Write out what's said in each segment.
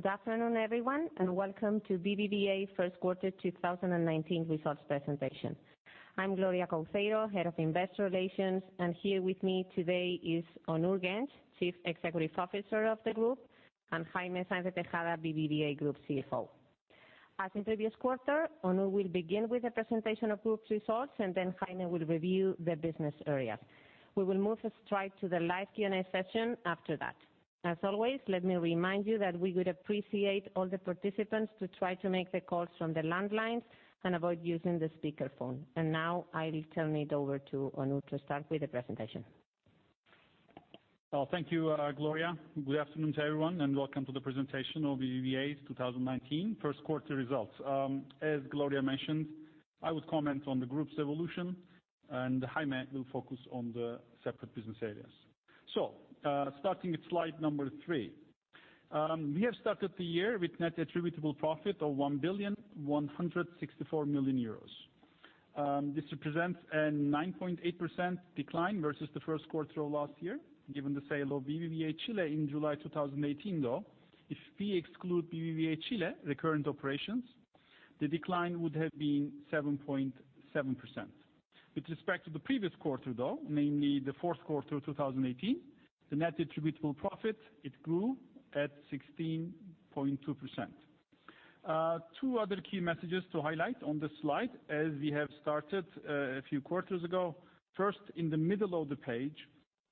Good afternoon, everyone, welcome to BBVA First Quarter 2019 results presentation. I'm Gloria Couceiro, Head of Investor Relations, and here with me today is Onur Genç, Chief Executive Officer of the group, and Jaime Sáenz de Tejada, BBVA Group CFO. As in previous quarter, Onur will begin with a presentation of group's results, then Jaime will review the business area. We will move straight to the live Q&A session after that. As always, let me remind you that we would appreciate all the participants to try to make the calls from the landlines and avoid using the speaker phone. Now I will turn it over to Onur to start with the presentation. Well, thank you, Gloria. Good afternoon to everyone, welcome to the presentation of BBVA's 2019 first quarter results. As Gloria mentioned, I will comment on the group's evolution, Jaime will focus on the separate business areas. Starting at slide number three. We have started the year with net attributable profit of 1,164 million euros. This represents a 9.8% decline versus the first quarter of last year, given the sale of BBVA Chile in July 2018, though. If we exclude BBVA Chile, the current operations, the decline would have been 7.7%. With respect to the previous quarter, though, namely the fourth quarter of 2018, the net attributable profit, it grew at 16.2%. Two other key messages to highlight on this slide, as we have started a few quarters ago. First, in the middle of the page,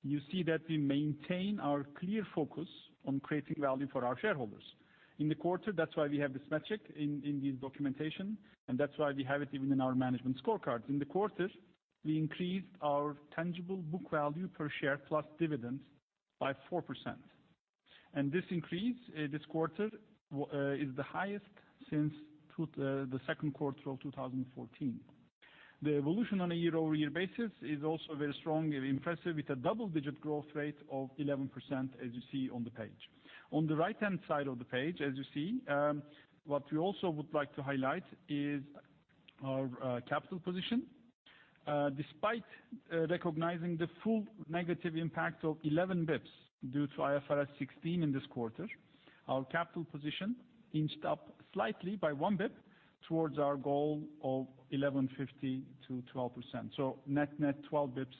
you see that we maintain our clear focus on creating value for our shareholders. In the quarter, that's why we have this metric in this documentation, that's why we have it even in our management scorecards. In the quarter, we increased our tangible book value per share plus dividends by 4%. This increase this quarter is the highest since the second quarter of 2014. The evolution on a year-over-year basis is also very strong and impressive with a double-digit growth rate of 11%, as you see on the page. On the right-hand side of the page, as you see, what we also would like to highlight is our capital position. Despite recognizing the full negative impact of 11 basis points due to IFRS 16 in this quarter, our capital position inched up slightly by one basis point towards our goal of 11.50%-12%. Net, 12 basis points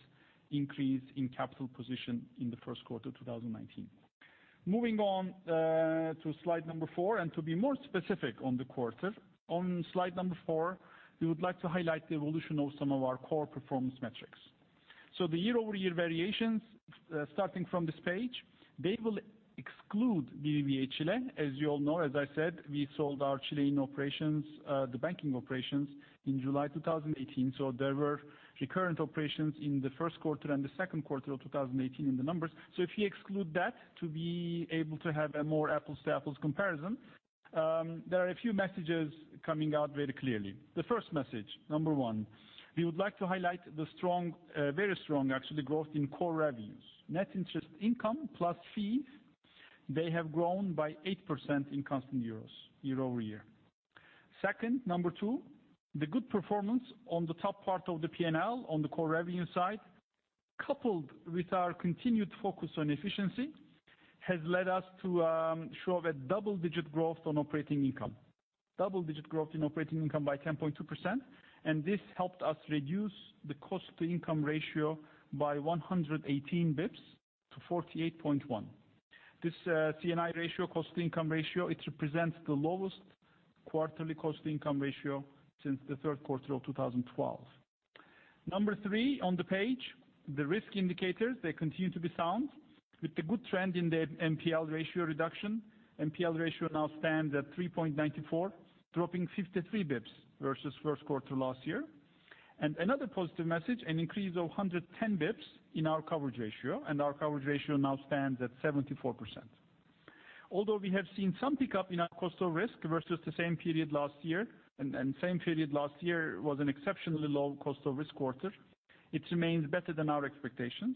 increase in capital position in the first quarter 2019. Moving on to slide number four, to be more specific on the quarter. On slide number four, we would like to highlight the evolution of some of our core performance metrics. The year-over-year variations, starting from this page, they will exclude BBVA Chile. As you all know, as I said, we sold our Chilean operations, the banking operations, in July 2018. There were recurrent operations in the first quarter and the second quarter of 2018 in the numbers. If you exclude that to be able to have a more apples-to-apples comparison, there are a few messages coming out very clearly. The first message, number 1, we would like to highlight the very strong, actually, growth in core revenues. Net interest income plus fees, they have grown by 8% in constant EUR year-over-year. Second, number 2, the good performance on the top part of the P&L on the core revenue side, coupled with our continued focus on efficiency, has led us to show a double-digit growth on operating income. Double-digit growth in operating income by 10.2%, this helped us reduce the cost-to-income ratio by 118 basis points to 48.1%. This C/I ratio, cost-to-income ratio, it represents the lowest quarterly cost-to-income ratio since the third quarter of 2012. Number 3 on the page, the risk indicators, they continue to be sound with the good trend in the NPL ratio reduction. NPL ratio now stands at 3.94%, dropping 53 basis points versus first quarter last year. Another positive message, an increase of 110 basis points in our coverage ratio, our coverage ratio now stands at 74%. Although we have seen some pickup in our cost of risk versus the same period last year, and same period last year was an exceptionally low cost of risk quarter, it remains better than our expectations.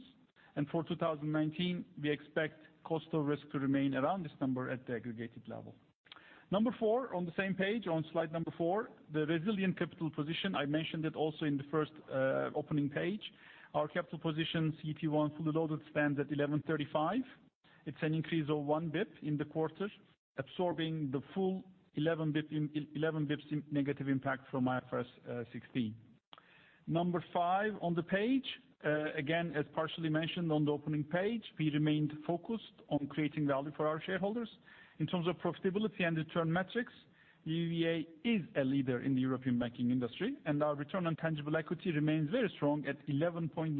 For 2019, we expect cost of risk to remain around this number at the aggregated level. Number 4, on the same page, on slide number 4, the resilient capital position, I mentioned it also in the first opening page. Our capital position, CET1 full loaded, stands at 11.35%. It is an increase of 1 basis point in the quarter, absorbing the full 11 basis points negative impact from IFRS 16. Number 5 on the page, again, as partially mentioned on the opening page, we remained focused on creating value for our shareholders. In terms of profitability and return metrics, BBVA is a leader in the European banking industry, our return on tangible equity remains very strong at 11.9%.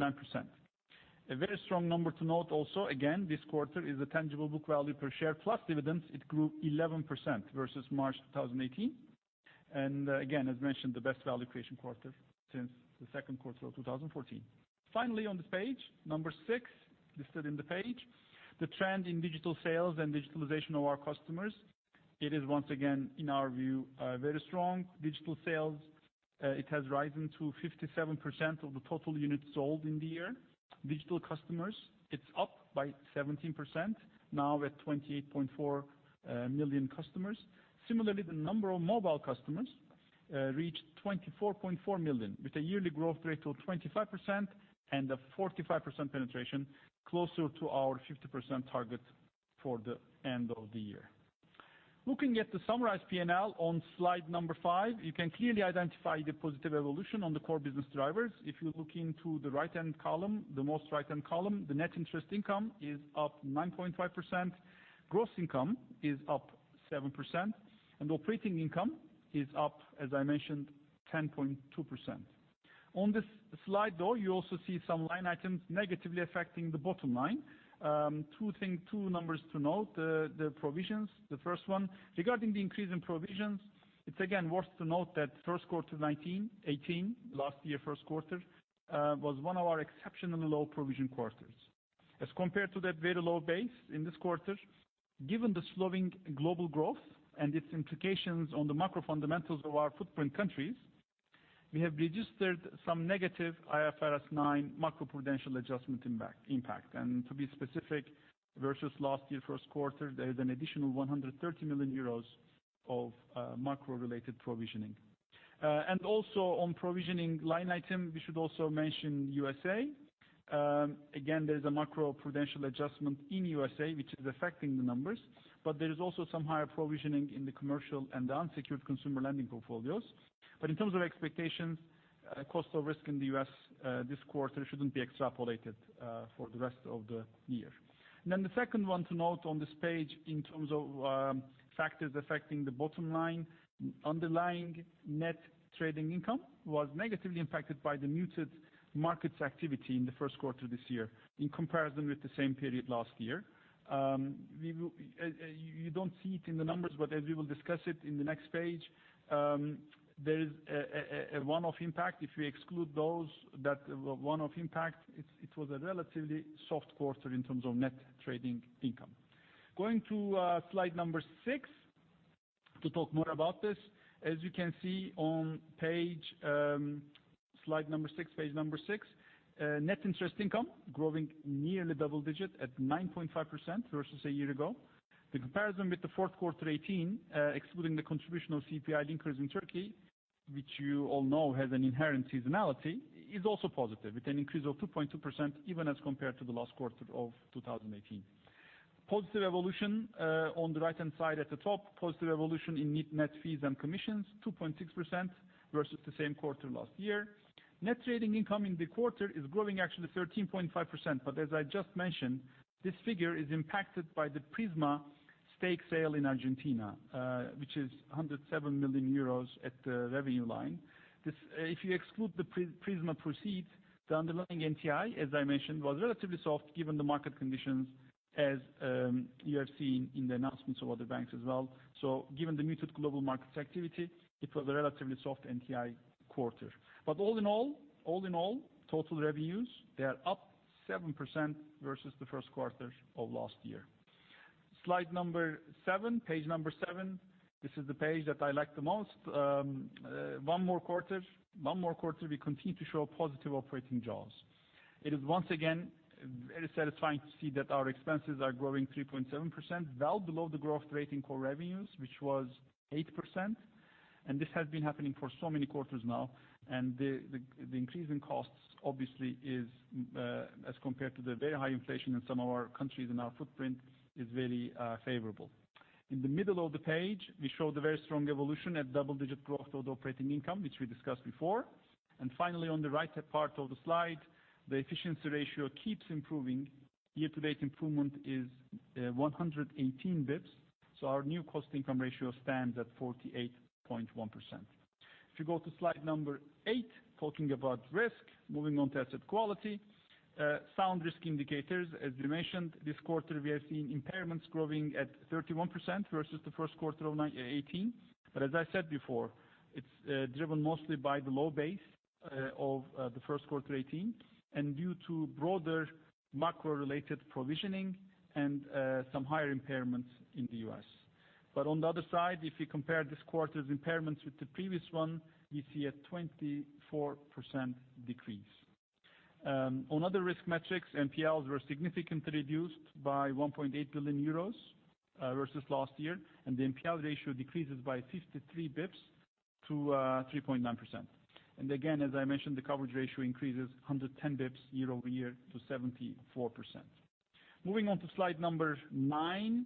A very strong number to note also, again, this quarter, is the tangible book value per share plus dividends. It grew 11% versus March 2018. Again, as mentioned, the best value creation quarter since the second quarter of 2014. Finally, on this page, number 6, listed in the page, the trend in digital sales and digitalization of our customers. It is once again, in our view, very strong. Digital sales, it has risen to 57% of the total units sold in the year. Digital customers, it is up by 17%, now at 28.4 million customers. Similarly, the number of mobile customers reached 24.4 million, with a yearly growth rate of 25% and a 45% penetration, closer to our 50% target for the end of the year. Looking at the summarized P&L on slide number 5, you can clearly identify the positive evolution on the core business drivers. If you look into the right-hand column, the most right-hand column, the net interest income is up 9.5%, gross income is up 7%, operating income is up, as I mentioned, 10.2%. On this slide, though, you also see some line items negatively affecting the bottom line. Two numbers to note, the provisions, the first one. Regarding the increase in provisions, it is again worth to note that first quarter 2018, last year first quarter, was one of our exceptionally low provision quarters. As compared to that very low base in this quarter, given the slowing global growth and its implications on the macro fundamentals of our footprint countries, we have registered some negative IFRS 9 macro-prudential adjustment impact. To be specific, versus last year first quarter, there is an additional 130 million euros of macro-related provisioning. Also, on provisioning line item, we should also mention USA. Again, there's a macro-prudential adjustment in USA which is affecting the numbers, but there is also some higher provisioning in the commercial and the unsecured consumer lending portfolios. In terms of expectations, cost of risk in the U.S. this quarter shouldn't be extrapolated for the rest of the year. The second one to note on this page in terms of factors affecting the bottom line, underlying net trading income was negatively impacted by the muted markets activity in the first quarter this year in comparison with the same period last year. You don't see it in the numbers, but as we will discuss it in the next page, there is a one-off impact. If you exclude that one-off impact, it was a relatively soft quarter in terms of net trading income. Going to slide number six to talk more about this. As you can see on slide number six, page number six, net interest income growing nearly double digit at 9.5% versus a year ago. The comparison with the fourth quarter 2018, excluding the contribution of CPI linkers in Turkey, which you all know has an inherent seasonality, is also positive with an increase of 2.2% even as compared to the last quarter of 2018. Positive evolution on the right-hand side at the top, positive evolution in net fees and commissions, 2.6% versus the same quarter last year. Net trading income in the quarter is growing actually 13.5%, but as I just mentioned, this figure is impacted by the Prisma stake sale in Argentina, which is 107 million euros at the revenue line. If you exclude the Prisma proceeds, the underlying NTI, as I mentioned, was relatively soft given the market conditions as you have seen in the announcements of other banks as well. Given the muted global markets activity, it was a relatively soft NTI quarter. All in all, total revenues, they are up 7% versus the first quarter of last year. Slide number seven, page number seven. This is the page that I like the most. One more quarter, we continue to show positive operating jaws. It is once again very satisfying to see that our expenses are growing 3.7%, well below the growth rate in core revenues, which was 8%. This has been happening for so many quarters now, and the increase in costs obviously is, as compared to the very high inflation in some of our countries in our footprint, is very favorable. In the middle of the page, we show the very strong evolution at double-digit growth of the operating income, which we discussed before. Finally, on the right part of the slide, the efficiency ratio keeps improving. Year-to-date improvement is 118 basis points, our new C/I ratio stands at 48.1%. If you go to slide number eight, talking about risk, moving on to asset quality. Sound risk indicators. As we mentioned, this quarter, we have seen impairments growing at 31% versus the first quarter of 2018. As I said before, it's driven mostly by the low base of the first quarter 2018 and due to broader macro-related provisioning and some higher impairments in the U.S. On the other side, if you compare this quarter's impairments with the previous one, we see a 24% decrease. On other risk metrics, NPLs were significantly reduced by 1.8 billion euros versus last year, and the NPL ratio decreases by 53 basis points to 3.9%. Again, as I mentioned, the coverage ratio increases 110 basis points year-over-year to 74%. Moving on to slide number nine,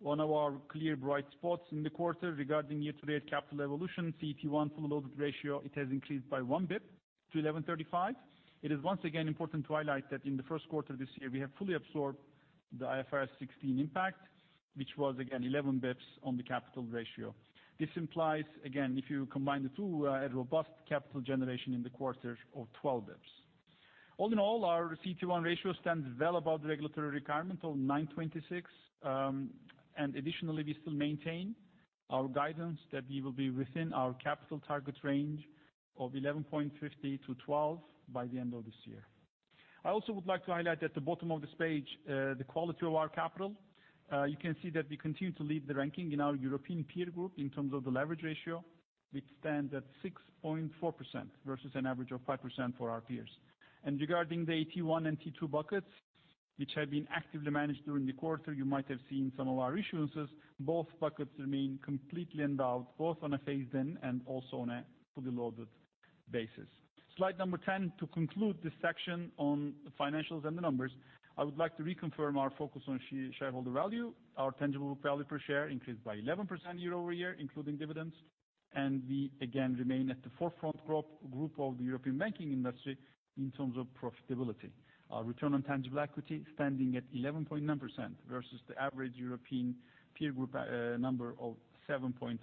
one of our clear bright spots in the quarter regarding year-to-date capital evolution, CET1 full loaded ratio, it has increased by 1 basis point to 11.35%. It is once again important to highlight that in the first quarter this year, we have fully absorbed the IFRS 16 impact, which was again 11 basis points on the capital ratio. This implies, again, if you combine the two, a robust capital generation in the quarter of 12 basis points. All in all, our CET1 ratio stands well above the regulatory requirement of 9.26%. Additionally, we still maintain our guidance that we will be within our capital target range of 11.50%-12% by the end of this year. I also would like to highlight at the bottom of this page, the quality of our capital. You can see that we continue to lead the ranking in our European peer group in terms of the leverage ratio, which stands at 6.4% versus an average of 5% for our peers. Regarding the AT1 and T2 buckets. Which have been actively managed during the quarter. You might have seen some of our issuances. Both buckets remain completely endowed, both on a phased-in and also on a fully loaded basis. Slide number 10, to conclude this section on the financials and the numbers. I would like to reconfirm our focus on shareholder value. Our tangible value per share increased by 11% year-over-year, including dividends, and we again remain at the forefront group of the European banking industry in terms of profitability. Our return on tangible equity standing at 11.9% versus the average European peer group number of 7.7%,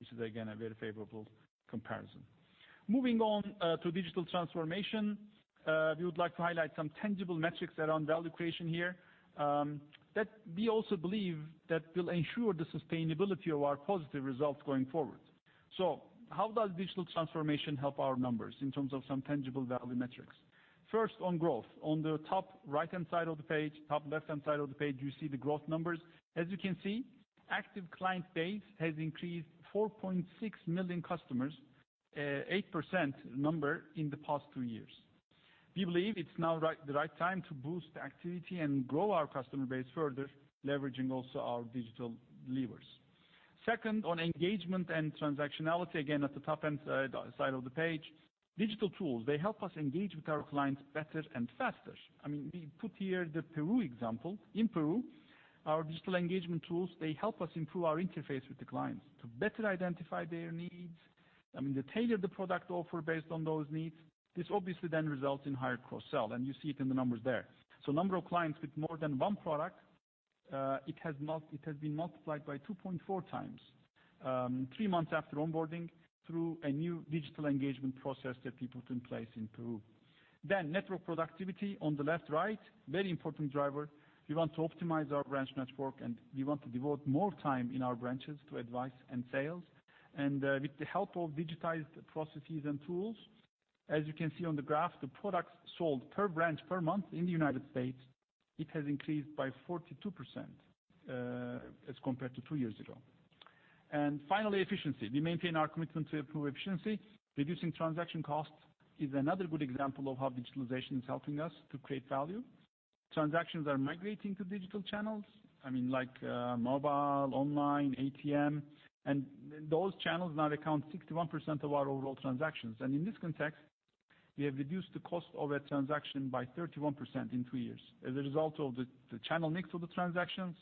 which is again, a very favorable comparison. Moving on to digital transformation. We would like to highlight some tangible metrics around value creation here, that we also believe that will ensure the sustainability of our positive results going forward. How does digital transformation help our numbers in terms of some tangible value metrics? First, on growth. On the top left-hand side of the page, you see the growth numbers. As you can see, active client base has increased 4.6 million customers, 8% number in the past two years. We believe it's now the right time to boost activity and grow our customer base further, leveraging also our digital levers. Second, on engagement and transactionality, again at the top-end side of the page. Digital tools, they help us engage with our clients better and faster. We put here the Peru example. In Peru, our digital engagement tools, they help us improve our interface with the clients to better identify their needs, they tailor the product offer based on those needs. This obviously then results in higher cross-sell, you see it in the numbers there. Number of clients with more than one product, it has been multiplied by 2.4 times, three months after onboarding through a new digital engagement process that we put in place in Peru. Network productivity on the left side. Very important driver. We want to optimize our branch network, we want to devote more time in our branches to advice and sales. With the help of digitized processes and tools, as you can see on the graph, the products sold per branch per month in the U.S., it has increased by 42% as compared to two years ago. Finally, efficiency. We maintain our commitment to improve efficiency. Reducing transaction costs is another good example of how digitalization is helping us to create value. Transactions are migrating to digital channels, like mobile, online, ATM, those channels now account for 61% of our overall transactions. In this context, we have reduced the cost of a transaction by 31% in two years as a result of the channel mix of the transactions,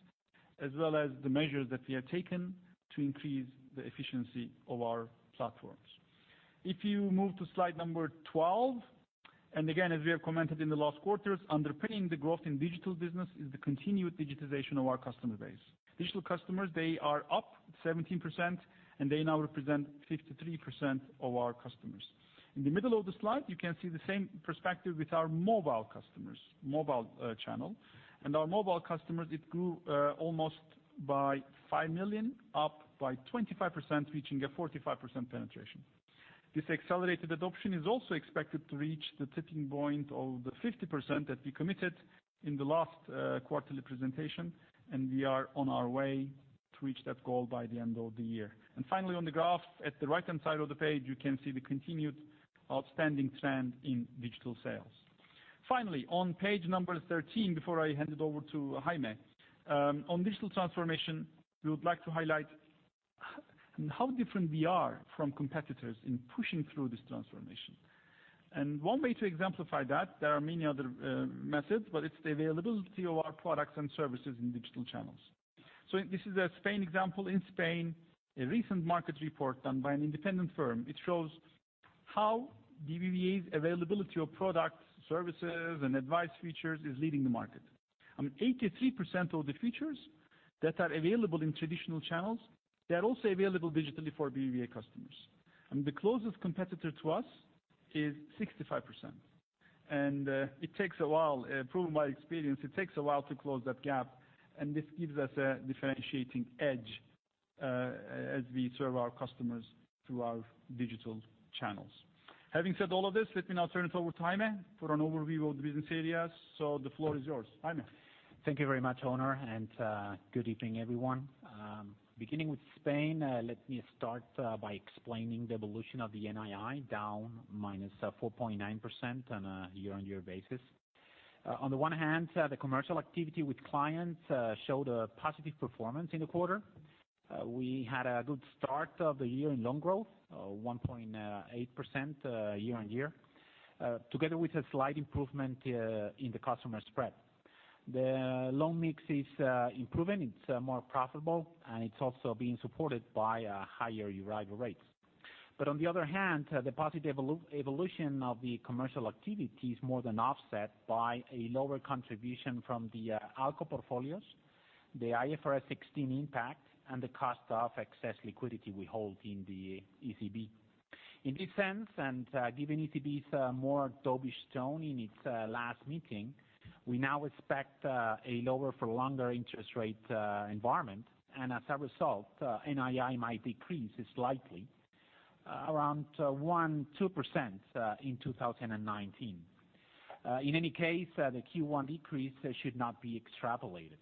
as well as the measures that we have taken to increase the efficiency of our platforms. If you move to slide number 12, again, as we have commented in the last quarters, underpinning the growth in digital business is the continued digitization of our customer base. Digital customers, they are up 17%, they now represent 53% of our customers. In the middle of the slide, you can see the same perspective with our mobile customers, mobile channel. Our mobile customers, it grew almost by five million, up by 25%, reaching a 45% penetration. This accelerated adoption is also expected to reach the tipping point of the 50% that we committed in the last quarterly presentation, we are on our way to reach that goal by the end of the year. Finally, on the graph, at the right-hand side of the page, you can see the continued outstanding trend in digital sales. Finally, on page number 13, before I hand it over to Jaime. On digital transformation, we would like to highlight how different we are from competitors in pushing through this transformation. One way to exemplify that, there are many other methods, it's the availability of our products and services in digital channels. This is a Spain example. In Spain, a recent market report done by an independent firm, it shows how BBVA's availability of products, services, and advice features is leading the market. 83% of the features that are available in traditional channels, they're also available digitally for BBVA customers. The closest competitor to us is 65%. Proven by experience, it takes a while to close that gap, this gives us a differentiating edge as we serve our customers through our digital channels. Having said all of this, let me now turn it over to Jaime for an overview of the business areas. The floor is yours, Jaime. Thank you very much, Onur, and good evening, everyone. Beginning with Spain, let me start by explaining the evolution of the NII, down minus 4.9% on a year-on-year basis. The commercial activity with clients showed a positive performance in the quarter. We had a good start of the year in loan growth, 1.8% year-on-year, together with a slight improvement in the customer spread. The loan mix is improving, it's more profitable, and it's also being supported by higher arrival rates. On the other hand, the positive evolution of the commercial activity is more than offset by a lower contribution from the ALCO portfolios, the IFRS 16 impact, and the cost of excess liquidity we hold in the ECB. In this sense, given ECB's more dovish tone in its last meeting, we now expect a lower for longer interest rate environment, as a result, NII might decrease slightly around 2% in 2019. In any case, the Q1 decrease should not be extrapolated.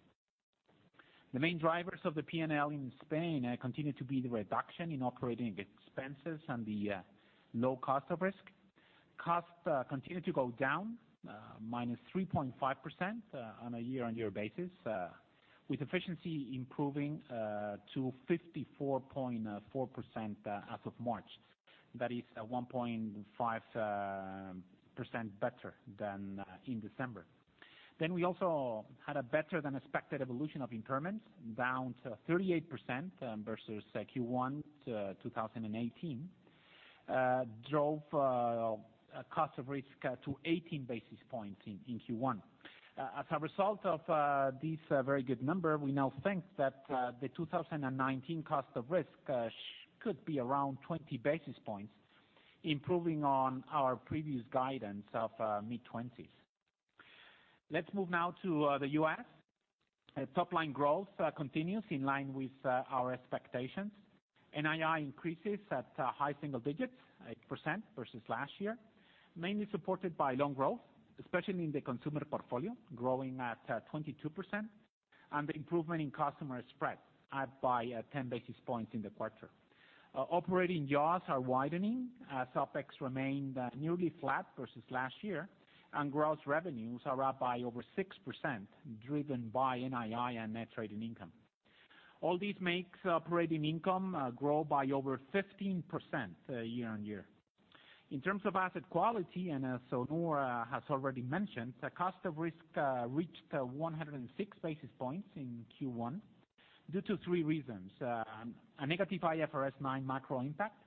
The main drivers of the P&L in Spain continue to be the reduction in operating expenses and the low cost of risk. Cost continue to go down, minus 3.5% on a year-on-year basis, with efficiency improving to 54.4% as of March. That is 1.5% better than in December. We also had a better-than-expected evolution of impairments, down to 38% versus Q1 2018, drove cost of risk to 18 basis points in Q1. As a result of this very good number, we now think that the 2019 cost of risk could be around 20 basis points, improving on our previous guidance of mid-20s. Let's move now to the U.S. Topline growth continues in line with our expectations. NII increases at high single digits, 8% versus last year, mainly supported by loan growth, especially in the consumer portfolio, growing at 22%, and the improvement in customer spread, up by 10 basis points in the quarter. Operating jaws are widening as OPEX remained nearly flat versus last year, gross revenues are up by over 6%, driven by NII and net trading income. All this makes operating income grow by over 15% year-on-year. In terms of asset quality, as Onur has already mentioned, the cost of risk reached 106 basis points in Q1 due to three reasons. A negative IFRS 9 macro impact,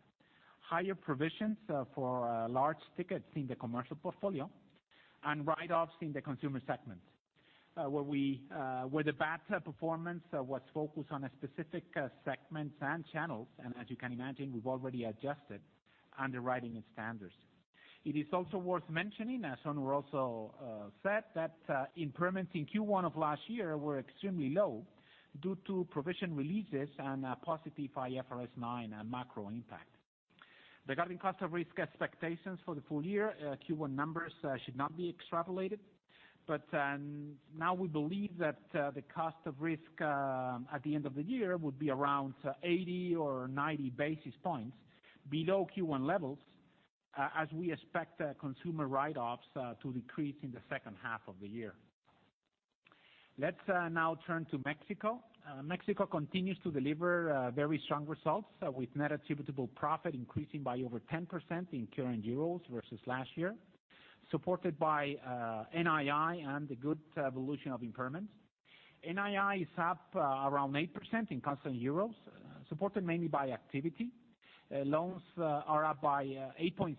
higher provisions for large tickets in the commercial portfolio, write-offs in the consumer segment, where the bad performance was focused on specific segments and channels, as you can imagine, we've already adjusted underwriting and standards. It is also worth mentioning, as Onur also said, that impairments in Q1 of last year were extremely low due to provision releases and a positive IFRS 9 macro impact. Regarding cost of risk expectations for the full year, Q1 numbers should not be extrapolated, now we believe that the cost of risk at the end of the year would be around 80 or 90 basis points below Q1 levels, as we expect consumer write-offs to decrease in the second half of the year. Let's now turn to Mexico. Mexico continues to deliver very strong results, with net attributable profit increasing by over 10% in current EUR versus last year, supported by NII and the good evolution of impairments. NII is up around 8% in constant EUR, supported mainly by activity. Loans are up by 8.6%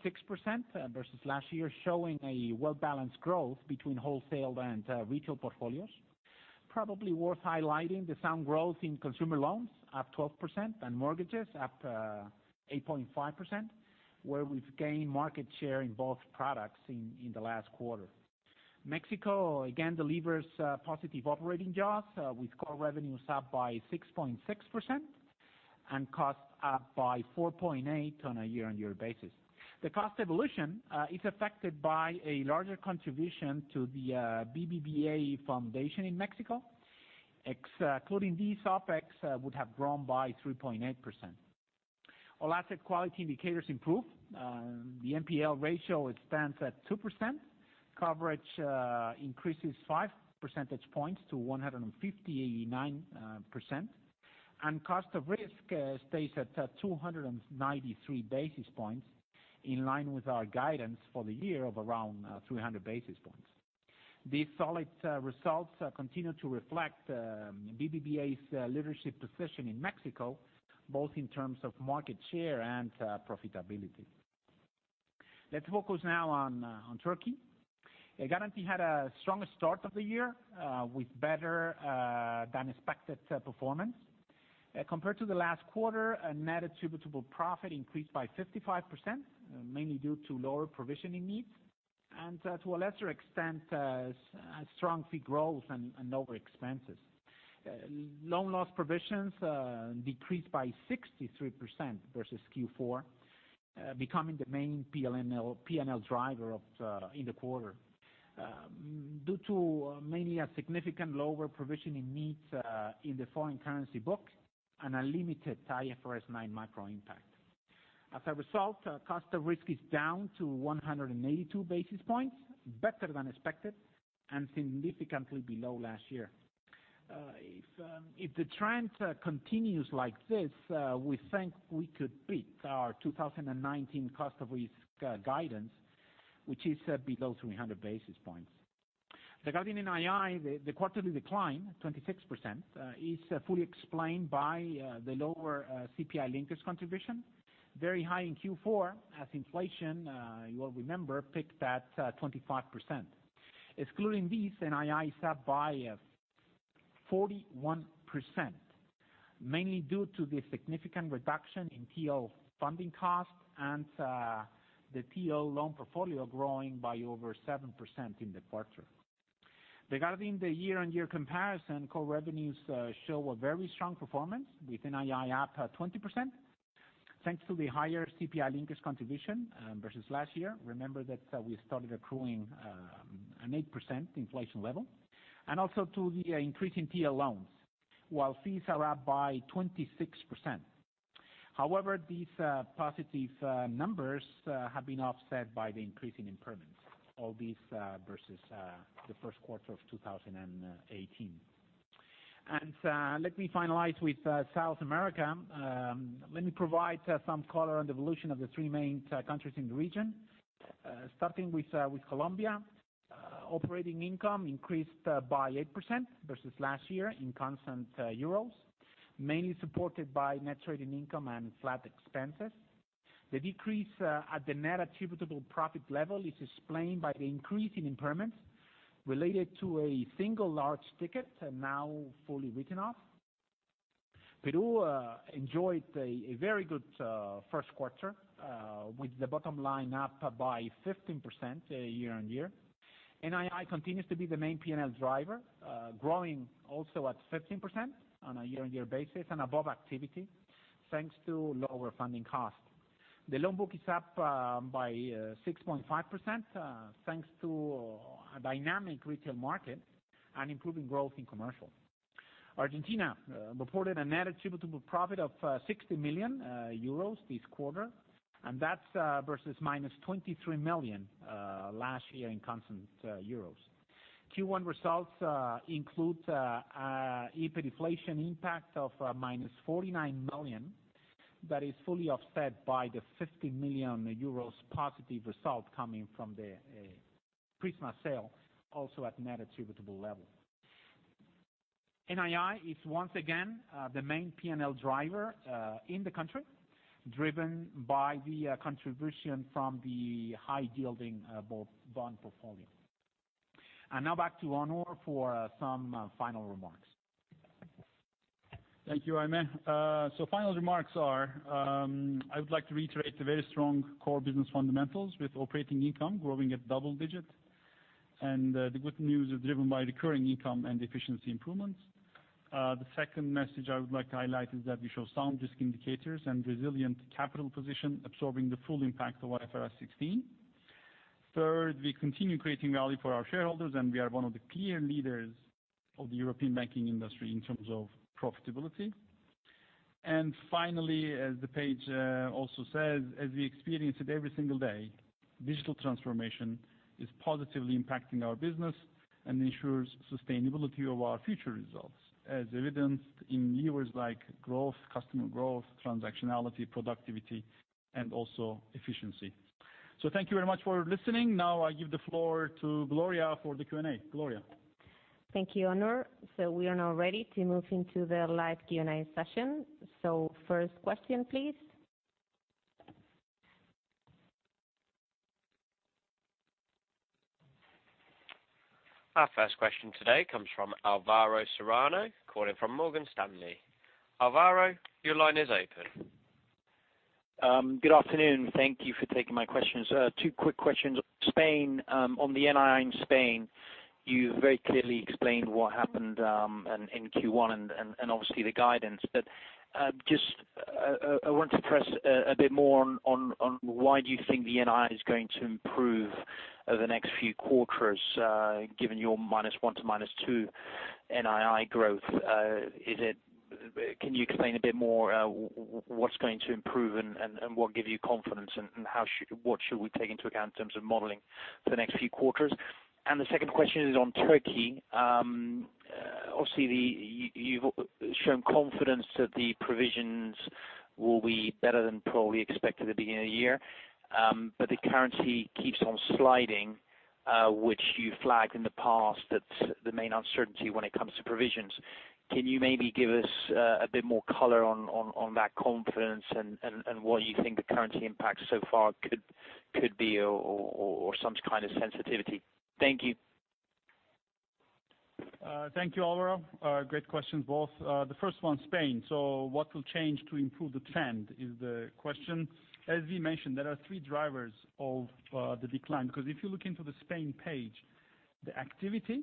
versus last year, showing a well-balanced growth between wholesale and retail portfolios. Probably worth highlighting the sound growth in consumer loans up 12% and mortgages up 8.5%, where we've gained market share in both products in the last quarter. Mexico again delivers positive operating jaws, with core revenues up by 6.6% and costs up by 4.8% on a year-over-year basis. The cost evolution is affected by a larger contribution to the BBVA Foundation Mexico. Excluding these, OPEX would have grown by 3.8%. All asset quality indicators improve. The NPL ratio stands at 2%. Coverage increases five percentage points to 159%, and cost of risk stays at 293 basis points, in line with our guidance for the year of around 300 basis points. These solid results continue to reflect BBVA's leadership position in Mexico, both in terms of market share and profitability. Let's focus now on Turkey. Garanti had a strong start of the year with better-than-expected performance. Compared to the last quarter, net attributable profit increased by 55%, mainly due to lower provisioning needs, and to a lesser extent, strong fee growth and lower expenses. Loan loss provisions decreased by 63% versus Q4, becoming the main P&L driver in the quarter due to mainly a significant lower provisioning needs in the foreign currency book and a limited IFRS 9 micro impact. As a result, cost of risk is down to 182 basis points, better than expected, and significantly below last year. If the trend continues like this, we think we could beat our 2019 cost of risk guidance, which is below 300 basis points. Regarding NII, the quarterly decline, 26%, is fully explained by the lower CPI linkage contribution, very high in Q4 as inflation, you will remember, peaked at 25%. Excluding this, NII is up by 41%, mainly due to the significant reduction in TL funding costs and the TL loan portfolio growing by over 7% in the quarter. Regarding the year-over-year comparison, core revenues show a very strong performance with NII up 20%. Thanks to the higher CPI linkage contribution, versus last year. Remember that we started accruing an 8% inflation level. Also to the increase in TL loans, while fees are up by 26%. These positive numbers have been offset by the increase in impairments. All these versus the first quarter of 2018. Let me finalize with South America. Let me provide some color on the evolution of the three main countries in the region. Starting with Colombia. Operating income increased by 8% versus last year in constant EUR, mainly supported by net trading income and flat expenses. The decrease at the net attributable profit level is explained by the increase in impairments, related to a single large ticket, now fully written off. Peru enjoyed a very good first quarter, with the bottom line up by 15% year-over-year. NII continues to be the main P&L driver, growing also at 15% on a year-over-year basis and above activity, thanks to lower funding costs. The loan book is up by 6.5%, thanks to a dynamic retail market and improving growth in commercial. Argentina reported a net attributable profit of 60 million euros this quarter, that's versus minus 23 million last year in constant euros. Q1 results include a hyperinflation impact of minus 49 million that is fully offset by the 50 million euros positive result coming from the Prisma sale, also at net attributable level. NII is once again the main P&L driver in the country, driven by the contribution from the high yielding bond portfolio. Now back to Onur for some final remarks. Thank you, Jaime. Final remarks are, I would like to reiterate the very strong core business fundamentals with operating income growing at double-digit. The good news is driven by recurring income and efficiency improvements. The second message I would like to highlight is that we show sound risk indicators and resilient capital position, absorbing the full impact of IFRS 16. Third, we continue creating value for our shareholders, we are one of the clear leaders of the European banking industry in terms of profitability. Finally, as the page also says, as we experience it every single day, digital transformation is positively impacting our business and ensures sustainability of our future results, as evidenced in levers like growth, customer growth, transactionality, productivity, and also efficiency. Thank you very much for listening. Now I give the floor to Gloria for the Q&A. Gloria. Thank you, Onur. We are now ready to move into the live Q&A session. First question, please. Our first question today comes from Alvaro Serrano, calling from Morgan Stanley. Alvaro, your line is open. Good afternoon. Thank you for taking my questions. Two quick questions. Spain, on the NII in Spain, you very clearly explained what happened in Q1 and obviously the guidance. I want to press a bit more on why do you think the NII is going to improve over the next few quarters, given your -1% to -2% NII growth? Can you explain a bit more what's going to improve and what gives you confidence, and what should we take into account in terms of modeling for the next few quarters? The second question is on Turkey. Obviously, you've shown confidence that the provisions will be better than probably expected at the beginning of the year. The currency keeps on sliding, which you flagged in the past that the main uncertainty when it comes to provisions. Can you maybe give us a bit more color on that confidence and what you think the currency impact so far could be or some kind of sensitivity? Thank you. Thank you, Alvaro. Great questions, both. The first one, Spain. What will change to improve the trend is the question. As we mentioned, there are three drivers of the decline, because if you look into the Spain page, the activity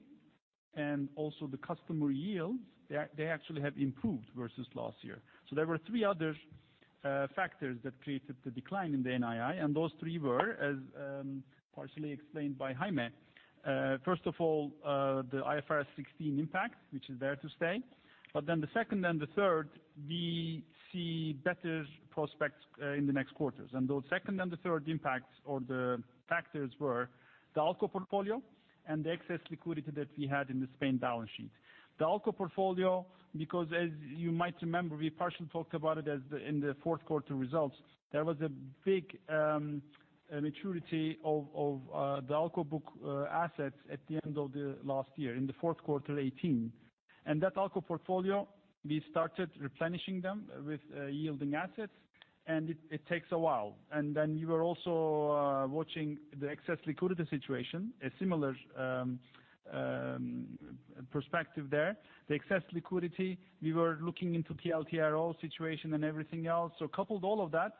and also the customer yields, they actually have improved versus last year. There were three other factors that created the decline in the NII, and those three were, as partially explained by Jaime. First of all, the IFRS 16 impact, which is there to stay. The second and the third, we see better prospects in the next quarters. The second and the third impacts or the factors were the ALCO portfolio and the excess liquidity that we had in the Spain balance sheet. The ALCO portfolio, as you might remember, we partially talked about it in the fourth quarter results. There was a big maturity of the ALCO book assets at the end of last year, in the fourth quarter 2018. That ALCO portfolio, we started replenishing them with yielding assets, and it takes a while. We were also watching the excess liquidity situation, a similar perspective there. The excess liquidity, we were looking into TLTRO situation and everything else. Coupled all of that,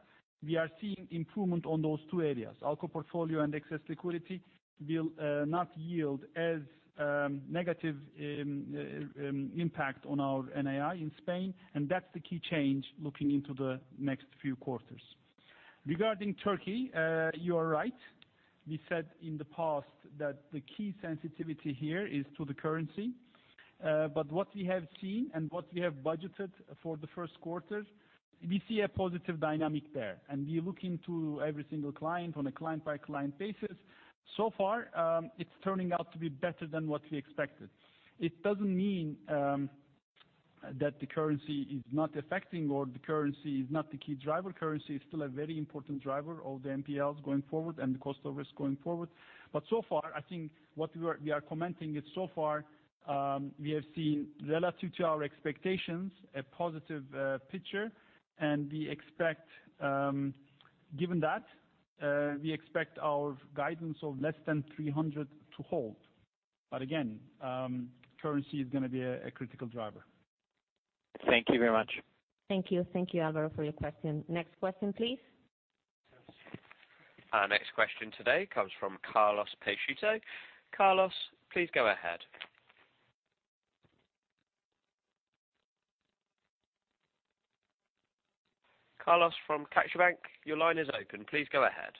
we are seeing improvement on those two areas. ALCO portfolio and excess liquidity will not yield as negative impact on our NII in Spain. That's the key change looking into the next few quarters. Regarding Turkey, you are right. We said in the past that the key sensitivity here is to the currency. What we have seen and what we have budgeted for the first quarter, we see a positive dynamic there, and we look into every single client on a client-by-client basis. So far, it's turning out to be better than what we expected. It doesn't mean that the currency is not affecting or the currency is not the key driver. Currency is still a very important driver of the NPLs going forward and the cost of risk going forward. So far, I think what we are commenting is so far, we have seen relative to our expectations, a positive picture, and given that, we expect our guidance of less than 300 to hold. Again, currency is going to be a critical driver. Thank you very much. Thank you. Thank you, Alvaro, for your question. Next question, please. Our next question today comes from Carlos Peixoto. Carlos, please go ahead. Carlos from CaixaBank, your line is open. Please go ahead.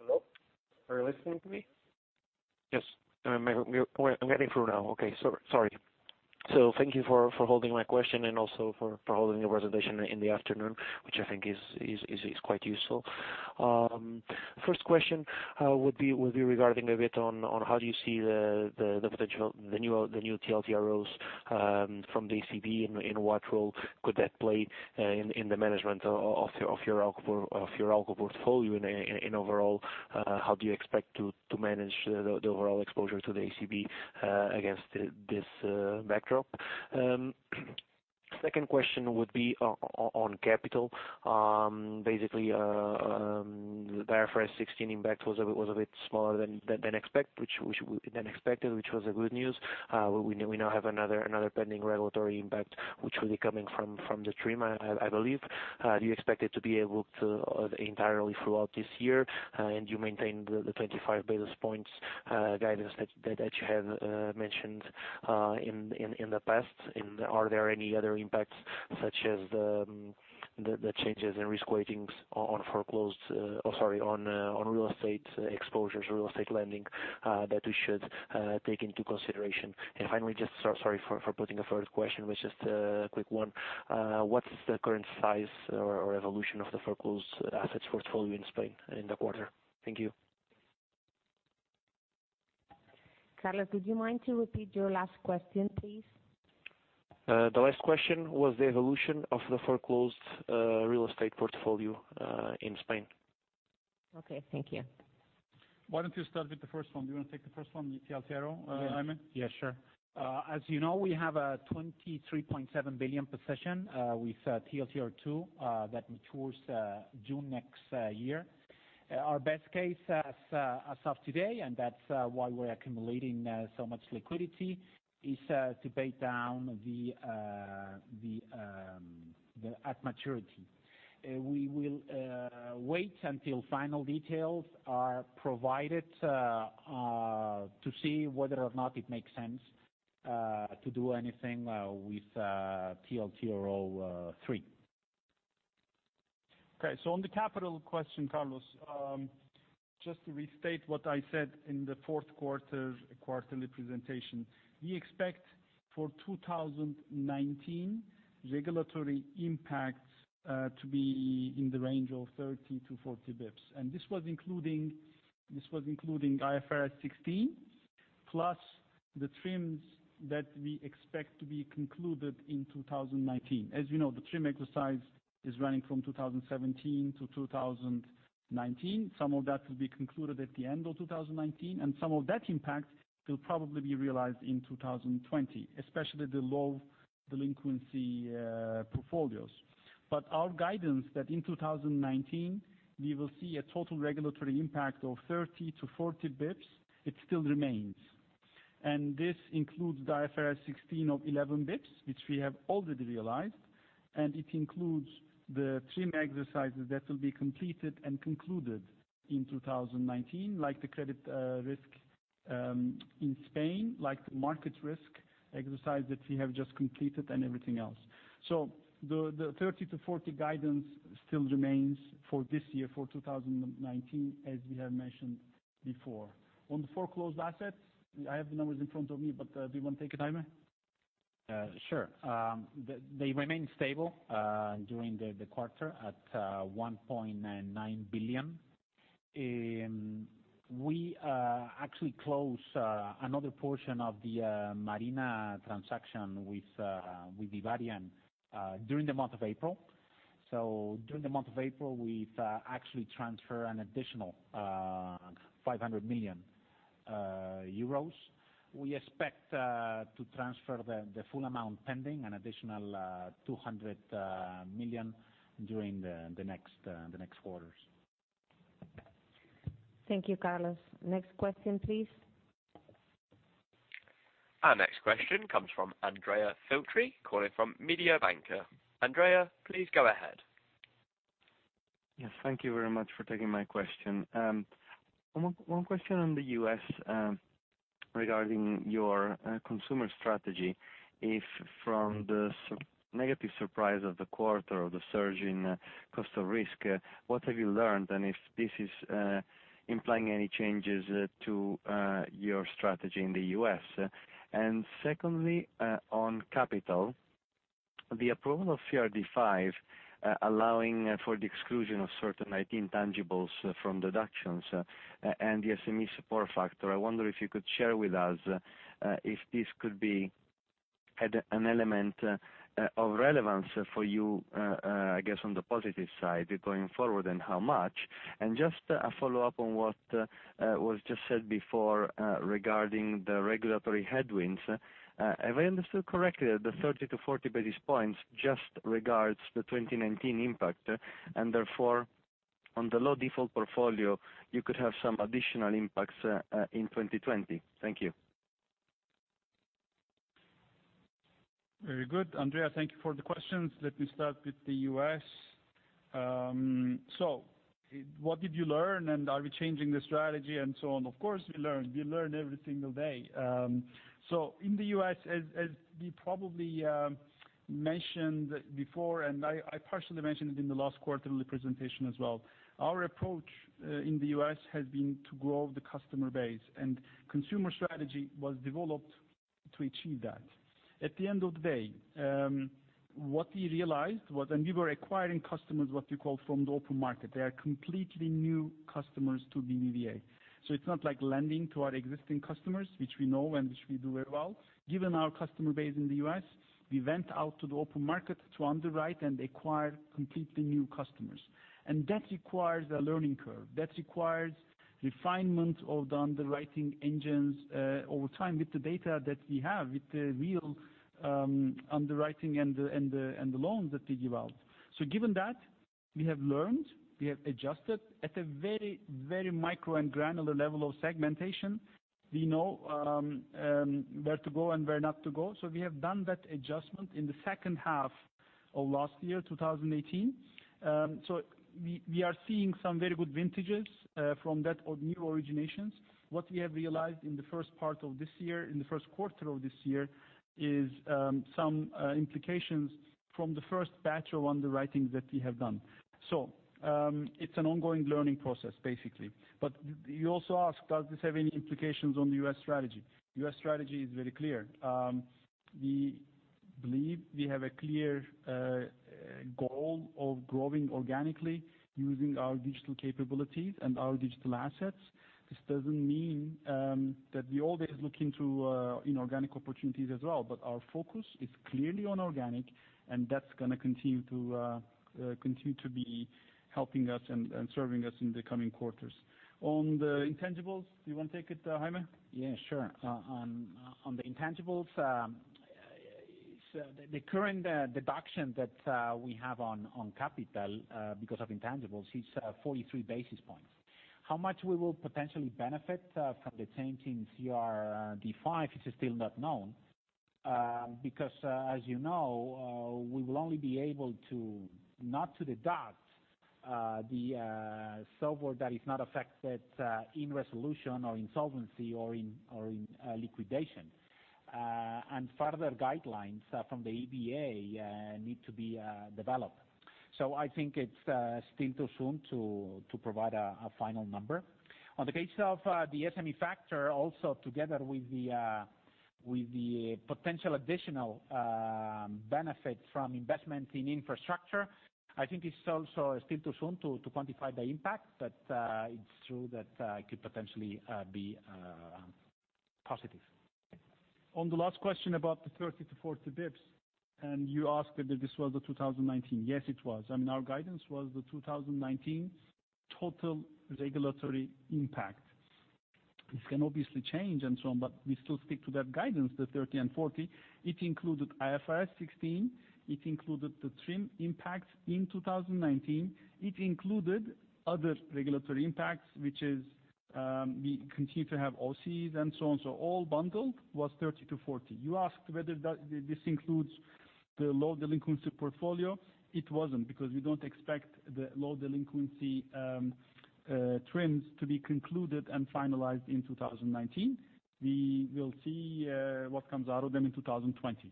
Hello? Are you listening to me? Yes. I'm getting through now. Okay. Sorry. Thank you for holding my question and also for holding your presentation in the afternoon, which I think is quite useful. First question would be regarding a bit on how do you see the potential, the new TLTROs from the ECB, and what role could that play in the management of your ALCO portfolio? Overall, how do you expect to manage the overall exposure to the ECB against this backdrop? Second question would be on capital. Basically, the IFRS 16 impact was a bit smaller than expected, which was good news. We now have another pending regulatory impact, which will be coming from the TRIM, I believe. Do you expect it to be able to entirely throughout this year? Do you maintain the 25 basis points guidance that you have mentioned in the past? Are there any other impacts, such as the changes in risk weightings on real estate exposures, real estate lending, that we should take into consideration? Finally, just sorry for putting a third question, but just a quick one. What's the current size or evolution of the foreclosed assets portfolio in Spain in the quarter? Thank you. Carlos, would you mind to repeat your last question, please? The last question was the evolution of the foreclosed real estate portfolio in Spain. Okay. Thank you. Why don't you start with the first one? Do you want to take the first one, the TLTRO, Jaime? Yeah, sure. As you know, we have a 23.7 billion position with TLTRO2 that matures June next year. Our best case as of today, and that's why we're accumulating so much liquidity, is to pay down at maturity. We will wait until final details are provided to see whether or not it makes sense to do anything with TLTRO3. On the capital question, Carlos, just to restate what I said in the fourth quarter quarterly presentation. We expect for 2019 regulatory impacts to be in the range of 30 to 40 basis points. This was including IFRS 16 plus the TRIMs that we expect to be concluded in 2019. As you know, the TRIM exercise is running from 2017 to 2019. Some of that will be concluded at the end of 2019, and some of that impact will probably be realized in 2020, especially the low delinquency portfolios. Our guidance that in 2019, we will see a total regulatory impact of 30 to 40 basis points, it still remains. This includes the IFRS 16 of 11 basis points, which we have already realized. It includes the TRIM exercises that will be completed and concluded in 2019, like the credit risk in Spain, like the market risk exercise that we have just completed, and everything else. The 30 to 40 guidance still remains for this year, for 2019, as we have mentioned before. On the foreclosed assets, I have the numbers in front of me, but do you want to take it, Jaime? Sure. They remain stable during the quarter at 1.9 billion. We actually close another portion of the Merlin transaction with Vivarium during the month of April. During the month of April, we've actually transferred an additional 500 million euros. We expect to transfer the full amount pending, an additional 200 million during the next quarters. Thank you, Carlos. Next question, please. Our next question comes from Andrea Filtri, calling from Mediobanca. Andrea, please go ahead. Thank you very much for taking my question. One question on the U.S. regarding your consumer strategy. If from the negative surprise of the quarter of the surge in cost of risk, what have you learned, and if this is implying any changes to your strategy in the U.S.? Secondly, on capital, the approval of CRD5, allowing for the exclusion of certain IT intangibles from deductions and the SME support factor. I wonder if you could share with us if this could be an element of relevance for you, I guess, on the positive side going forward, and how much. Just a follow-up on what was just said before regarding the regulatory headwinds. Have I understood correctly that the 30 to 40 basis points just regards the 2019 impact, and therefore on the low default portfolio, you could have some additional impacts in 2020? Thank you. Very good, Andrea. Thank you for the questions. Let me start with the U.S. What did you learn, and are we changing the strategy, and so on? Of course, we learned. We learn every single day. In the U.S., as we probably mentioned before, and I partially mentioned it in the last quarterly presentation as well, our approach in the U.S. has been to grow the customer base, and consumer strategy was developed to achieve that. At the end of the day, what we realized was when we were acquiring customers, what we call from the open market, they are completely new customers to BBVA. It's not like lending to our existing customers, which we know and which we do very well. Given our customer base in the U.S., we went out to the open market to underwrite and acquire completely new customers. That requires a learning curve. That requires refinement of the underwriting engines over time with the data that we have, with the real underwriting and the loans that we give out. Given that, we have learned, we have adjusted at a very micro and granular level of segmentation. We know where to go and where not to go. We have done that adjustment in the second half of last year, 2018. We are seeing some very good vintages from that new originations. What we have realized in the first part of this year, in the first quarter of this year, is some implications from the first batch of underwriting that we have done. It's an ongoing learning process, basically. You also asked, does this have any implications on the U.S. strategy? U.S. strategy is very clear. We believe we have a clear goal of growing organically using our digital capabilities and our digital assets. This doesn't mean that we always look into inorganic opportunities as well, but our focus is clearly on organic, and that's going to continue to be helping us and serving us in the coming quarters. On the intangibles, do you want to take it, Jaime? Yeah, sure. On the intangibles, the current deduction that we have on capital because of intangibles is 43 basis points. How much we will potentially benefit from the change in CRD5 is still not known, because as you know, we will only be able to, not to the dot, the software that is not affected in resolution or insolvency or in liquidation. Further guidelines from the EBA need to be developed. I think it's still too soon to provide a final number. On the case of the SME factor, also together with the potential additional benefit from investment in infrastructure, I think it's also still too soon to quantify the impact. It's true that it could potentially be positive. On the last question about the 30 to 40 basis points, you asked if this was the 2019. Yes, it was. Our guidance was the 2019 total regulatory impact. This can obviously change and so on, but we still stick to that guidance, the 30-40 basis points. It included IFRS 16. It included the TRIM impacts in 2019. It included other regulatory impacts, which is we continue to have OCs and so on. All bundled was 30-40 basis points. You asked whether this includes the low delinquency portfolio. It wasn't, because we don't expect the low delinquency TRIMs to be concluded and finalized in 2019. We will see what comes out of them in 2020.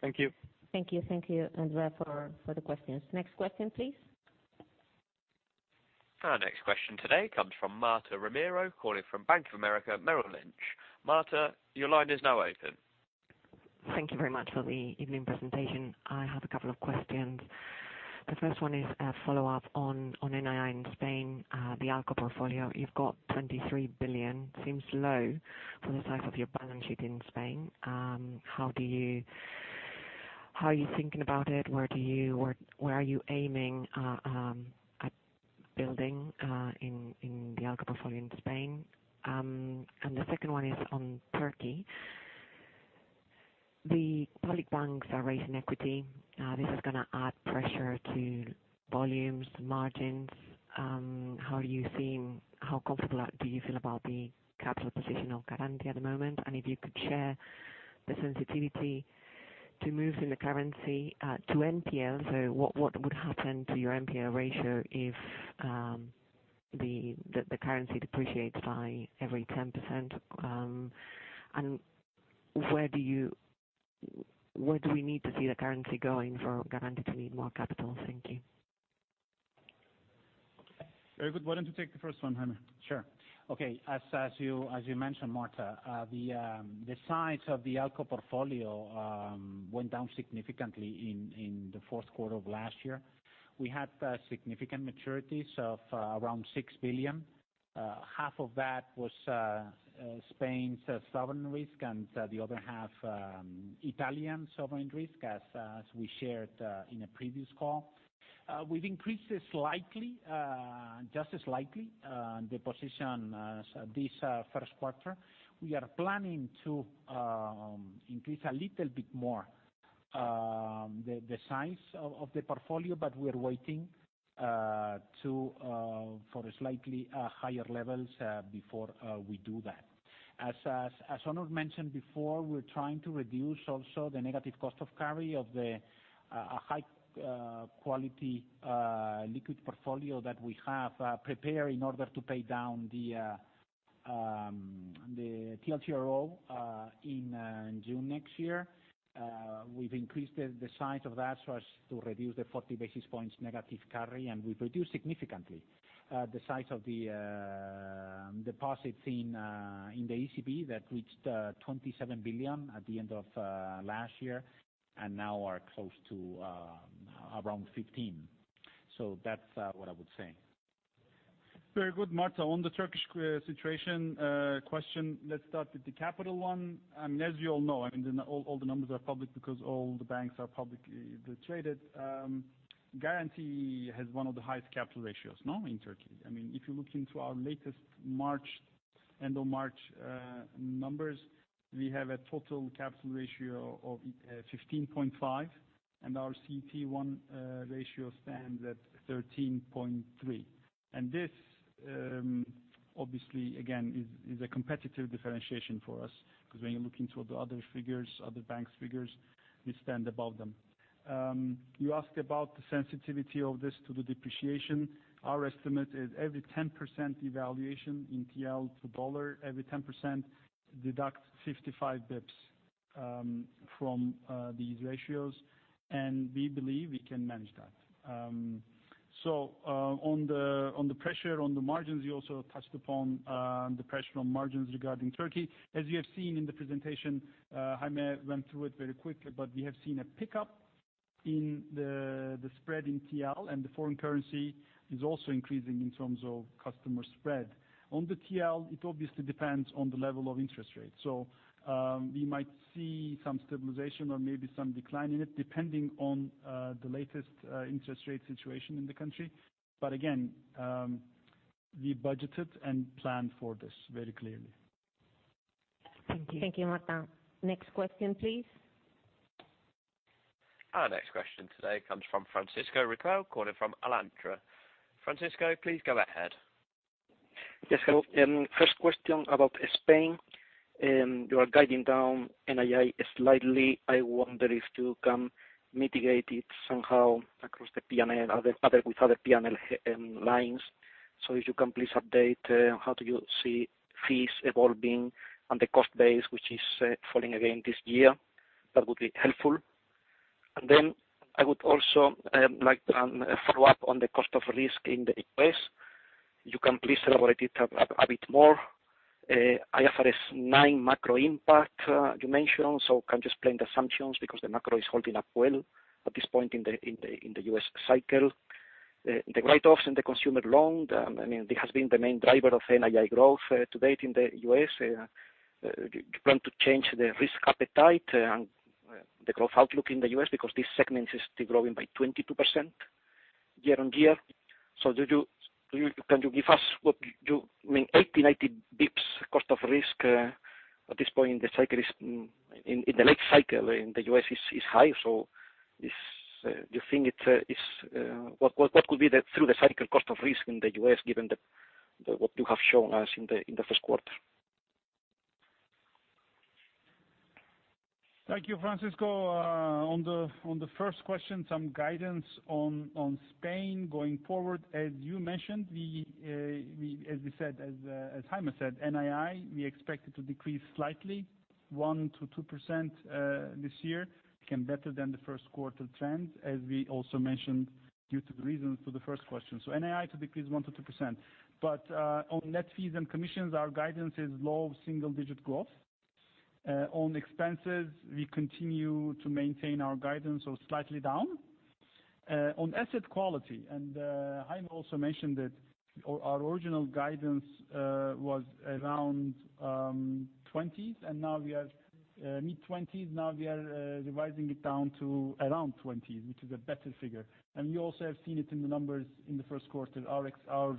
Thank you. Thank you. Thank you, Andrea, for the questions. Next question, please. Our next question today comes from Marta Romero calling from Bank of America Merrill Lynch. Marta, your line is now open. Thank you very much for the evening presentation. I have a couple of questions. The first one is a follow-up on NII in Spain, the ALCO portfolio. You've got 23 billion. Seems low for the size of your balance sheet in Spain. How are you thinking about it? Where are you aiming at building in the ALCO portfolio in Spain? The second one is on Turkey. The public banks are raising equity. This is going to add pressure to volumes, margins. How comfortable do you feel about the capital position of Garanti at the moment? If you could share the sensitivity to moves in the currency to NPL. What would happen to your NPL ratio if the currency depreciates by every 10%? Where do we need to see the currency going for Garanti to need more capital? Thank you. Very good. Why don't you take the first one, Jaime? Sure. Okay. As you mentioned, Marta, the size of the ALCO portfolio went down significantly in the fourth quarter of last year. We had significant maturities of around 6 billion. Half of that was Spain sovereign risk, and the other half Italian sovereign risk, as we shared in a previous call. We've increased it slightly, just slightly, the position this first quarter. We are planning to increase a little bit more the size of the portfolio, but we're waiting for slightly higher levels before we do that. As Onur mentioned before, we're trying to reduce also the negative cost of carry of the high-quality liquid portfolio that we have prepared in order to pay down the TLTRO in June next year. We've increased the size of that so as to reduce the 40 basis points negative carry, and we've reduced significantly the size of the deposits in the ECB that reached 27 billion at the end of last year, and now are close to around 15 billion. That's what I would say. Very good, Marta. On the Turkish situation question, let's start with the capital one. As you all know, all the numbers are public because all the banks are publicly traded. Garanti has one of the highest capital ratios in Turkey. If you look into our latest end of March numbers, we have a total capital ratio of 15.5% and our CET1 ratio stands at 13.3%. This obviously, again, is a competitive differentiation for us because when you look into the other bank's figures, we stand above them. You asked about the sensitivity of this to the depreciation. Our estimate is every 10% devaluation in TL to USD, every 10% deduct 55 basis points from these ratios, and we believe we can manage that. On the pressure on the margins, you also touched upon the pressure on margins regarding Turkey. As you have seen in the presentation, Jaime went through it very quickly, we have seen a pickup in the spread in TL, and the foreign currency is also increasing in terms of customer spread. On the TL, it obviously depends on the level of interest rates. We might see some stabilization or maybe some decline in it, depending on the latest interest rate situation in the country. Again, we budgeted and planned for this very clearly. Thank you. Thank you, Marta. Next question, please. Our next question today comes from Francisco Riquel calling from Alantra. Francisco, please go ahead. Yes, hello. First question about Spain. You are guiding down NII slightly. I wonder if you can mitigate it somehow across the P&L, with other P&L lines. If you can please update how do you see fees evolving and the cost base, which is falling again this year. That would be helpful. I would also like to follow up on the cost of risk in the U.S. You can please elaborate it a bit more. IFRS 9 macro impact you mentioned, so can you explain the assumptions because the macro is holding up well at this point in the U.S. cycle? The write-offs in the consumer loan, this has been the main driver of NII growth to date in the U.S. Do you plan to change the risk appetite and the growth outlook in the U.S. because this segment is still growing by 22% year-on-year. Can you give us what you 80, 90 basis points cost of risk at this point in the late cycle in the U.S. is high. What could be the through the cycle cost of risk in the U.S., given what you have shown us in the first quarter? Thank you, Francisco. On the first question, some guidance on Spain going forward. As Jaime said, NII, we expect it to decrease slightly, 1%-2% this year, again, better than the first quarter trend, as we also mentioned due to the reasons for the first question. NII to decrease 1%-2%. On net fees and commissions, our guidance is low single-digit growth. On expenses, we continue to maintain our guidance of slightly down. On asset quality, and Jaime also mentioned it. Our original guidance was around 20s, mid-20s, now we are revising it down to around 20, which is a better figure. We also have seen it in the numbers in the first quarter. Our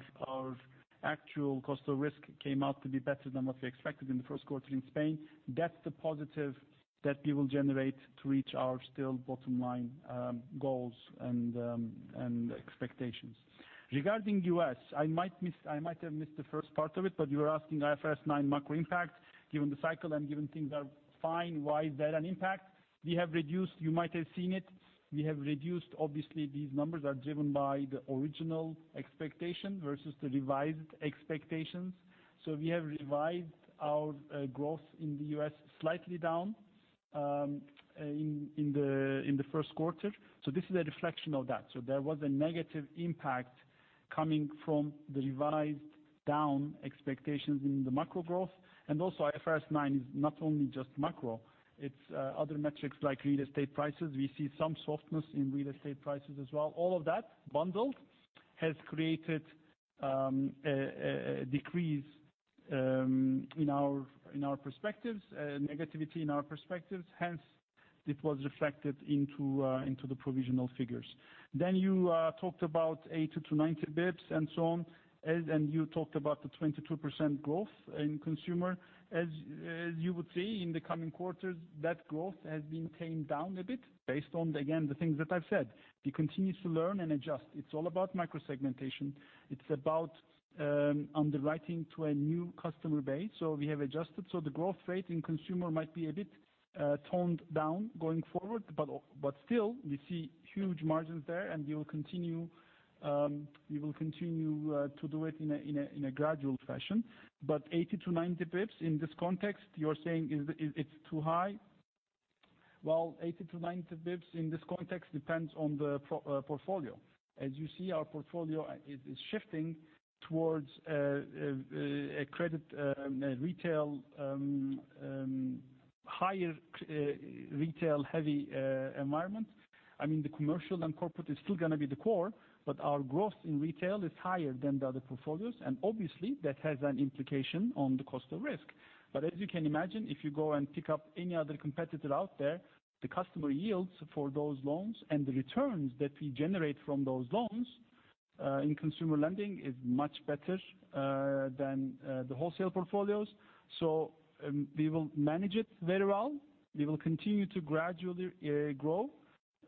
actual cost of risk came out to be better than what we expected in the first quarter in Spain. That's the positive that we will generate to reach our still bottom line goals and expectations. Regarding U.S., I might have missed the first part of it, but you were asking IFRS 9 macro impact, given the cycle and given things are fine, why is there an impact? You might have seen it. We have reduced, obviously, these numbers are driven by the original expectation versus the revised expectations. We have revised our growth in the U.S. slightly down in the first quarter. This is a reflection of that. There was a negative impact coming from the revised down expectations in the macro growth. Also IFRS 9 is not only just macro, it's other metrics like real estate prices. We see some softness in real estate prices as well. All of that bundled has created a decrease in our perspectives, negativity in our perspectives, hence it was reflected into the provisional figures. You talked about 80 to 90 basis points and so on, and you talked about the 22% growth in consumer. As you would see in the coming quarters, that growth has been tamed down a bit based on, again, the things that I've said. We continue to learn and adjust. It's all about micro segmentation. It's about underwriting to a new customer base. We have adjusted. The growth rate in consumer might be a bit toned down going forward, but still, we see huge margins there, and we will continue to do it in a gradual fashion. 80 to 90 basis points in this context, you're saying it's too high. Well, 80 to 90 basis points in this context depends on the portfolio. As you see, our portfolio is shifting towards a higher retail heavy environment. The commercial and corporate is still going to be the core, but our growth in retail is higher than the other portfolios. Obviously, that has an implication on the cost of risk. As you can imagine, if you go and pick up any other competitor out there, the customer yields for those loans and the returns that we generate from those loans in consumer lending is much better than the wholesale portfolios. We will manage it very well. We will continue to gradually grow,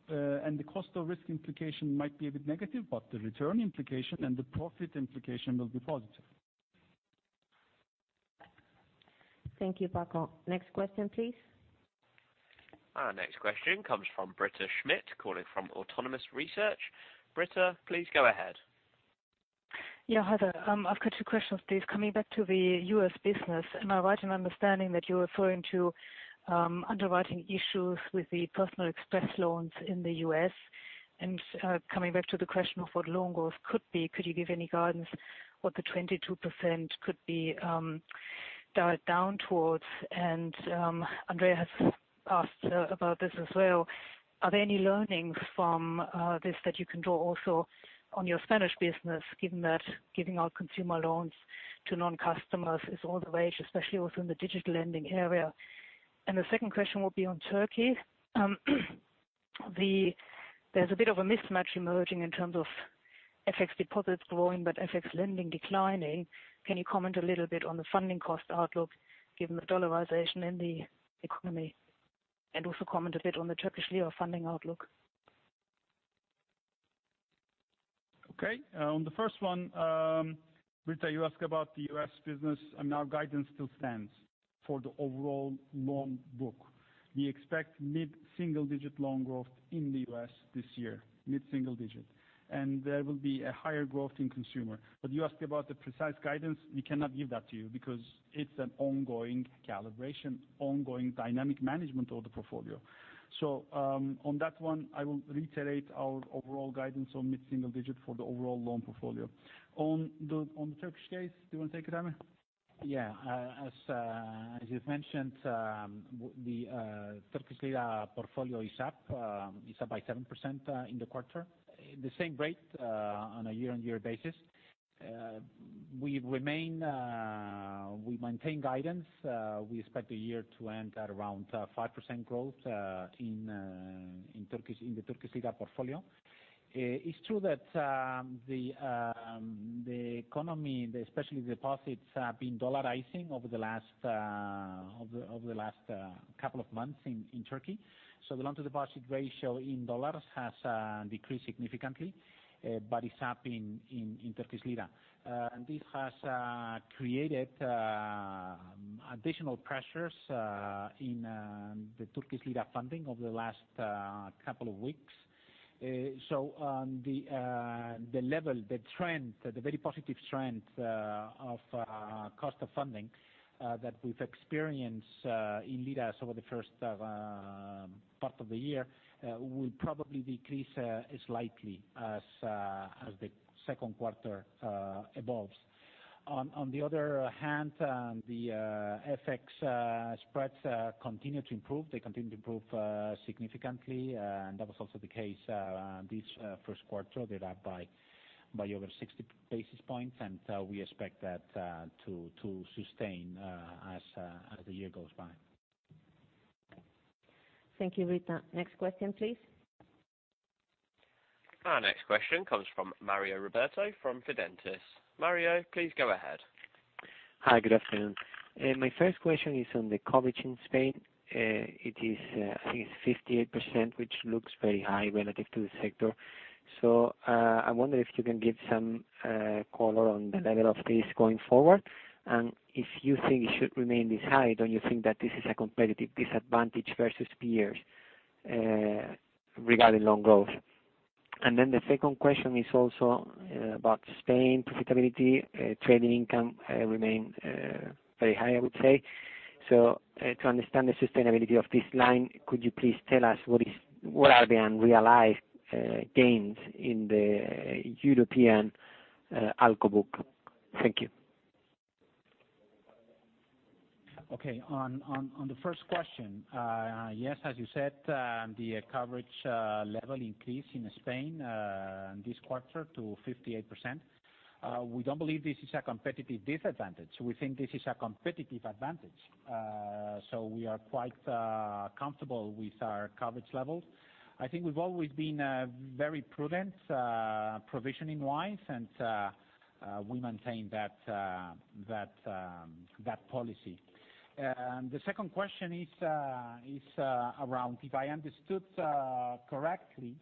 and the cost of risk implication might be a bit negative, but the return implication and the profit implication will be positive. Thank you, Paco. Next question, please. Our next question comes from Britta Schmidt, calling from Autonomous Research. Britta, please go ahead. Yeah. Hi there. I've got two questions, please. Coming back to the U.S. business. Am I right in understanding that you're referring to underwriting issues with the Express Personal Loan in the U.S.? Coming back to the question of what loan growth could be, could you give any guidance what the 22% could be dialed down towards? Andrea has asked about this as well. Are there any learnings from this that you can draw also on your Spanish business, given that giving out consumer loans to non-customers is all the rage, especially also in the digital lending area? The second question will be on Turkey. There's a bit of a mismatch emerging in terms of FX deposits growing, but FX lending declining. Can you comment a little bit on the funding cost outlook given the dollarization in the economy? Also comment a bit on the Turkish lira funding outlook. Okay. On the first one, Britta, you ask about the U.S. business, our guidance still stands for the overall loan book. We expect mid-single digit loan growth in the U.S. this year, mid-single digit. There will be a higher growth in consumer. You ask about the precise guidance, we cannot give that to you because it's an ongoing calibration, ongoing dynamic management of the portfolio. On that one, I will reiterate our overall guidance on mid-single digit for the overall loan portfolio. On the Turkish case, do you want to take it, Jaime? Yeah. As you've mentioned, the Turkish lira portfolio is up by 7% in the quarter. The same rate on a year-on-year basis. We maintain guidance. We expect the year to end at around 5% growth in the Turkish lira portfolio. It's true that the economy, especially deposits, have been dollarizing over the last couple of months in Turkey. The loan-to-deposit ratio in $ has decreased significantly, but it's up in Turkish lira. This has created additional pressures in the Turkish lira funding over the last couple of weeks. On the level, the very positive trend of cost of funding that we've experienced in liras over the first part of the year will probably decrease slightly as the second quarter evolves. On the other hand, the FX spreads continue to improve. They continue to improve significantly. That was also the case this first quarter. They're up by over 60 basis points, and we expect that to sustain as the year goes by. Thank you, Britta. Next question, please. Our next question comes from Mario Ropero from Fidentiis. Mario, please go ahead. Hi, good afternoon. My first question is on the coverage in Spain. It is, I think, 58%, which looks very high relative to the sector. I wonder if you can give some color on the level of this going forward, and if you think it should remain this high. Don't you think that this is a competitive disadvantage versus peers regarding long growth? The second question is also about Spain profitability, trading income remains very high, I would say. To understand the sustainability of this line, could you please tell us what are the unrealized gains in the European ALCO book? Thank you. Okay. On the first question, yes, as you said, the coverage level increased in Spain this quarter to 58%. We don't believe this is a competitive disadvantage. We think this is a competitive advantage. We are quite comfortable with our coverage level. I think we've always been very prudent, provisioning-wise, and we maintain that policy. The second question is around, if I understood correctly,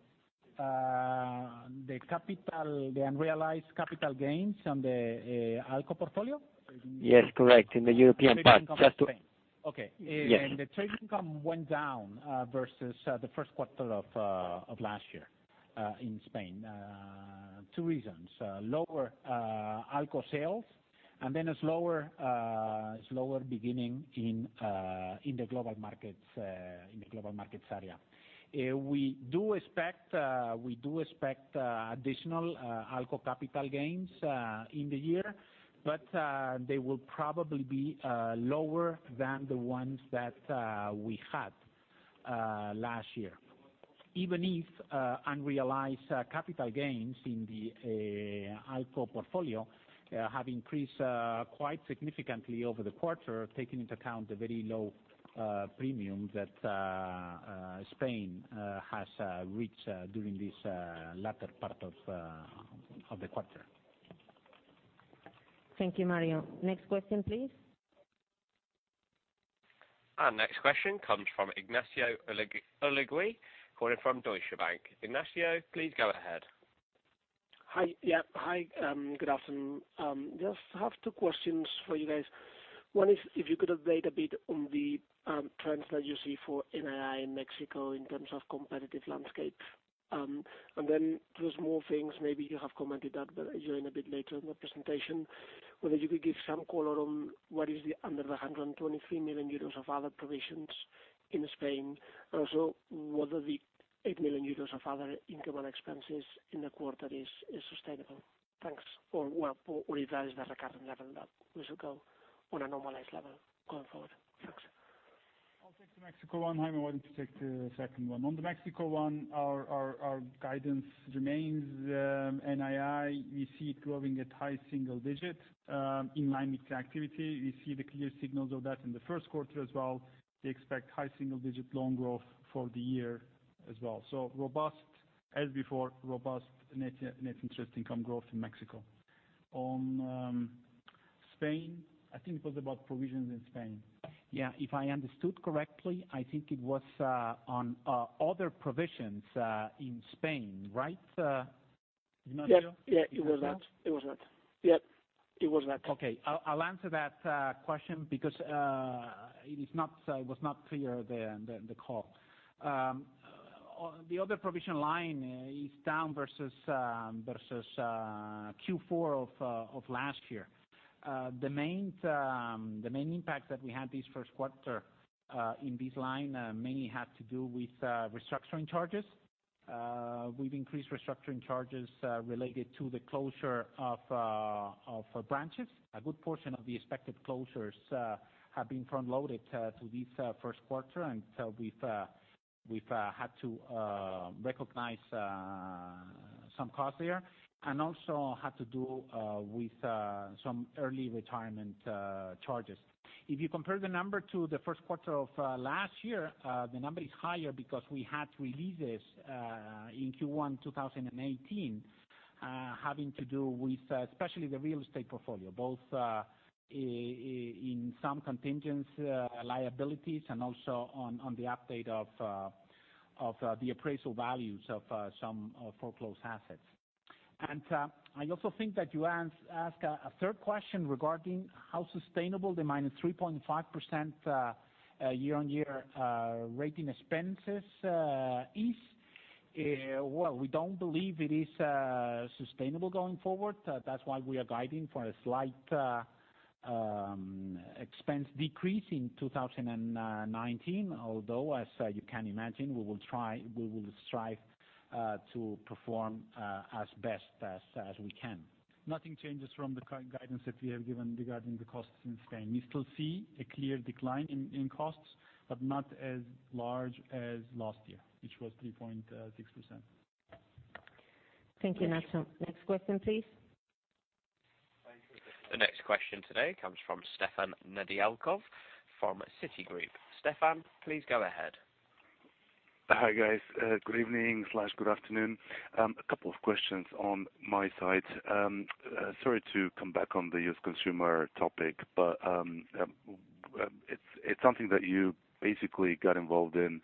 the unrealized capital gains on the ALCO portfolio? Yes, correct. In the European part. Okay. Yes. The trading income went down versus the first quarter of last year in Spain. Two reasons: lower ALCO sales, and then a slower beginning in the global markets area. We do expect additional ALCO capital gains in the year, but they will probably be lower than the ones that we had last year. Even if unrealized capital gains in the ALCO portfolio have increased quite significantly over the quarter, taking into account the very low premium that Spain has reached during this latter part of the quarter. Thank you, Mario. Next question, please. Our next question comes from Ignacio Ulargui, calling from Deutsche Bank. Ignacio, please go ahead. Hi. Hi, good afternoon. Just have two questions for you guys. One is, if you could update a bit on the trends that you see for NII in Mexico in terms of competitive landscape. Two small things, maybe you have commented that, but I join a bit later in the presentation, whether you could give some color on what is the under the 123 million euros of other provisions in Spain, and also whether the 8 million euros of other income and expenses in the quarter is sustainable. Thanks. Or what is the recurring level that we should go on a normalized level going forward? Thanks. I'll take the Mexico one. Jaime wanted to take the second one. On the Mexico one, our guidance remains NII. We see it growing at high single digits, in line with activity. We see the clear signals of that in the first quarter as well. We expect high single-digit loan growth for the year as well. Robust as before, robust net interest income growth in Mexico. On Spain, I think it was about provisions in Spain. If I understood correctly, I think it was on other provisions in Spain, right, Ignacio? It was that. Yep, it was that. Okay. I'll answer that question because it was not clear in the call. The other provision line is down versus Q4 of last year. The main impacts that we had this first quarter in this line mainly had to do with restructuring charges. We've increased restructuring charges related to the closure of branches. A good portion of the expected closures have been front-loaded to this first quarter, and so we've had to recognize some costs there, and also had to do with some early retirement charges. If you compare the number to the first quarter of last year, the number is higher because we had releases in Q1 2018, having to do with especially the real estate portfolio, both in some contingent liabilities and also on the update of the appraisal values of some foreclosed assets. I also think that you asked a third question regarding how sustainable the -3.5% year-on-year operating expenses is. Well, we don't believe it is sustainable going forward. That's why we are guiding for a slight- Expense decrease in 2019, although, as you can imagine, we will strive to perform as best as we can. Nothing changes from the current guidance that we have given regarding the costs in Spain. We still see a clear decline in costs, but not as large as last year, which was 3.6%. Thank you, Onur. Next question, please. The next question today comes from Stefan Nedialkov from Citigroup. Stefan, please go ahead. Hi, guys. Good evening/good afternoon. A couple of questions on my side. Sorry to come back on the U.S. consumer topic, but it's something that you basically got involved in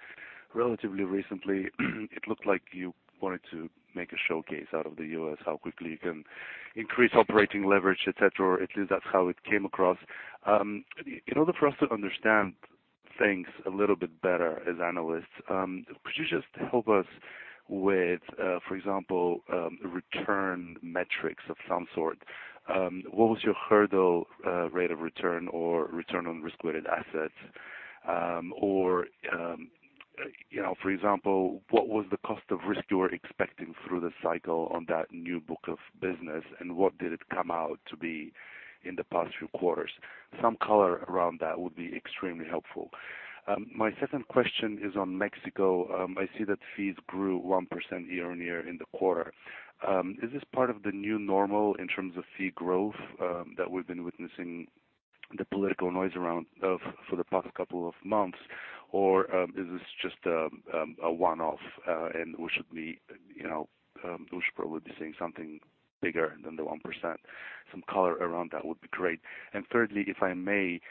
relatively recently. It looked like you wanted to make a showcase out of the U.S., how quickly you can increase operating leverage, et cetera. At least that's how it came across. In order for us to understand things a little bit better as analysts, could you just help us with, for example, return metrics of some sort? What was your hurdle rate of return or return on risk-weighted assets? Or for example, what was the cost of risk you were expecting through the cycle on that new book of business, and what did it come out to be in the past few quarters? Some color around that would be extremely helpful. My second question is on Mexico. I see that fees grew 1% year-on-year in the quarter. Is this part of the new normal in terms of fee growth that we've been witnessing the political noise around for the past couple of months, or is this just a one-off, and we should probably be seeing something bigger than the 1%? Some color around that would be great. Thirdly, if I may,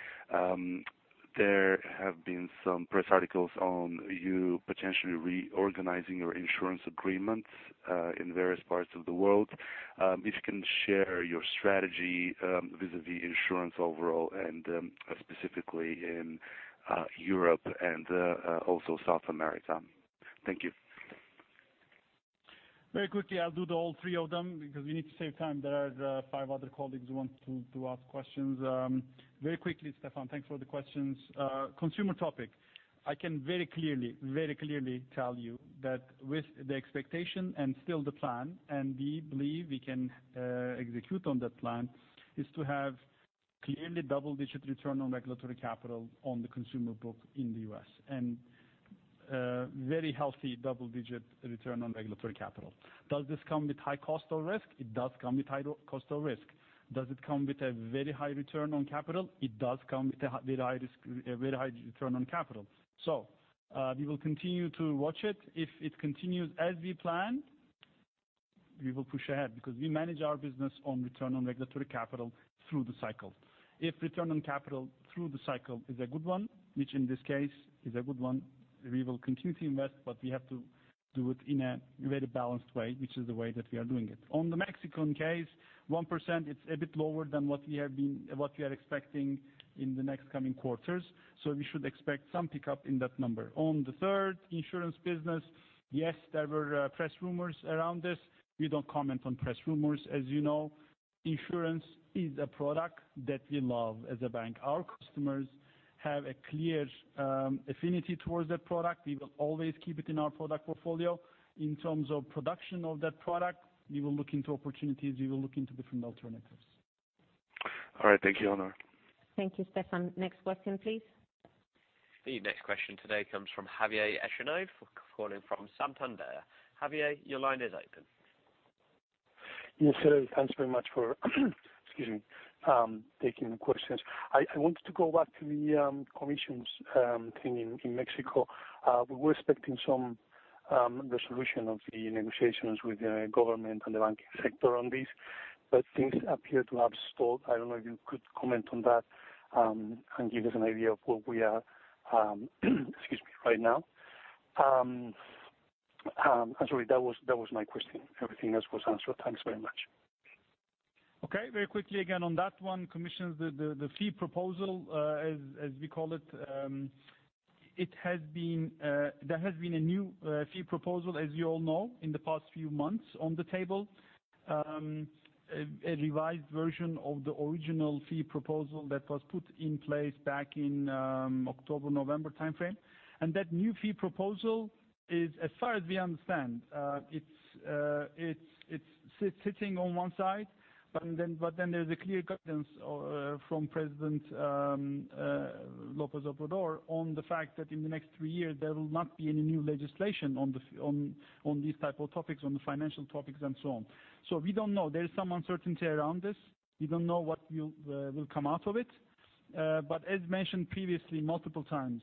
there have been some press articles on you potentially reorganizing your insurance agreements in various parts of the world. If you can share your strategy vis-a-vis insurance overall and specifically in Europe and also South America. Thank you. Very quickly, I'll do the all three of them because we need to save time. There are five other colleagues who want to ask questions. Very quickly, Stefan, thanks for the questions. Consumer topic, I can very clearly tell you that with the expectation and still the plan, and we believe we can execute on that plan, is to have clearly double-digit return on regulatory capital on the consumer book in the U.S., and very healthy double-digit return on regulatory capital. Does this come with high cost or risk? It does come with high cost or risk. Does it come with a very high return on capital? It does come with a very high return on capital. We will continue to watch it. If it continues as we plan, we will push ahead because we manage our business on return on regulatory capital through the cycle. If return on capital through the cycle is a good one, which in this case is a good one, we will continue to invest, but we have to do it in a very balanced way, which is the way that we are doing it. On the Mexican case, 1%, it is a bit lower than what we are expecting in the next coming quarters. We should expect some pickup in that number. On the third insurance business, yes, there were press rumors around this. We do not comment on press rumors, as you know. Insurance is a product that we love as a bank. Our customers have a clear affinity towards that product. We will always keep it in our product portfolio. In terms of production of that product, we will look into opportunities, we will look into different alternatives. All right. Thank you, Onur. Thank you, Stefan. Next question please. The next question today comes from Javier Echenique, calling from Santander. Javier, your line is open. Yes, thanks very much for, excuse me, taking questions. I wanted to go back to the commissions thing in Mexico. We were expecting some resolution of the negotiations with the government and the banking sector on this, but things appear to have stalled. I don't know if you could comment on that, and give us an idea of where we are, excuse me, right now. I'm sorry, that was my question. Everything else was answered. Thanks very much. Okay. Very quickly again on that one. Commissions, the fee proposal, as we call it, there has been a new fee proposal, as you all know, in the past few months on the table. A revised version of the original fee proposal that was put in place back in October-November timeframe. That new fee proposal is, as far as we understand, it's sitting on one side. There's a clear guidance from President López Obrador on the fact that in the next three years, there will not be any new legislation on these type of topics, on the financial topics and so on. We don't know. There is some uncertainty around this. We don't know what will come out of it. As mentioned previously multiple times,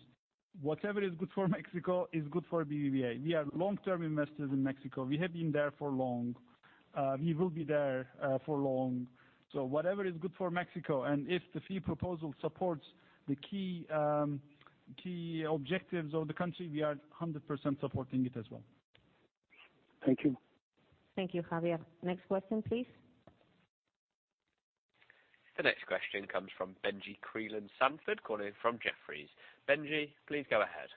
whatever is good for Mexico is good for BBVA. We are long-term investors in Mexico. We have been there for long. We will be there for long. Whatever is good for Mexico, and if the fee proposal supports the key objectives of the country, we are 100% supporting it as well. Thank you. Thank you, Javier. Next question please. The next question comes from Benjie Creelan-Sanford calling from Jefferies. Benji, please go ahead.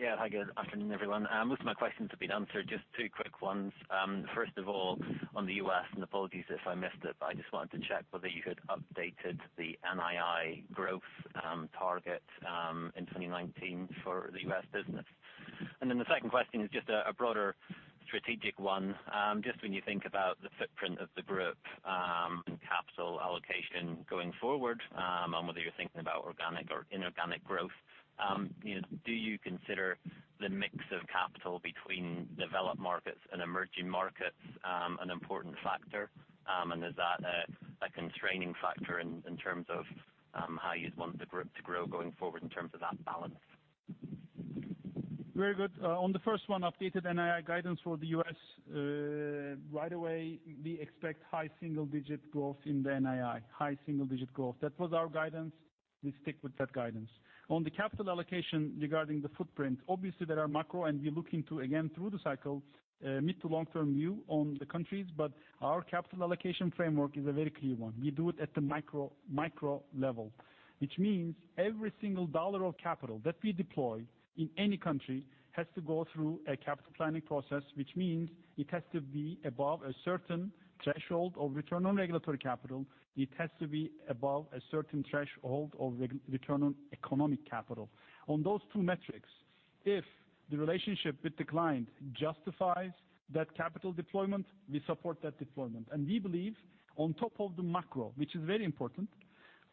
Yeah. Hi, good afternoon, everyone. Most of my questions have been answered. Just two quick ones. First of all, on the U.S., and apologies if I missed it, but I just wanted to check whether you had updated the NII growth target in 2019 for the U.S. business. The second question is just a broader strategic one. Just when you think about the footprint of the group, and capital allocation going forward, and whether you're thinking about organic or inorganic growth, do you consider the mix of capital between developed markets and emerging markets an important factor? Is that a constraining factor in terms of how you'd want the group to grow going forward in terms of that balance? Very good. On the first one, updated NII guidance for the U.S., right away, we expect high single-digit growth in the NII. High single-digit growth. That was our guidance. We stick with that guidance. On the capital allocation regarding the footprint, obviously, there are macro, and we're looking to, again, through the cycle, mid to long-term view on the countries. Our capital allocation framework is a very clear one. We do it at the micro level, which means every single dollar of capital that we deploy in any country has to go through a capital planning process, which means it has to be above a certain threshold of return on regulatory capital. It has to be above a certain threshold of return on economic capital. On those two metrics, if the relationship with the client justifies that capital deployment, we support that deployment. We believe on top of the macro, which is very important,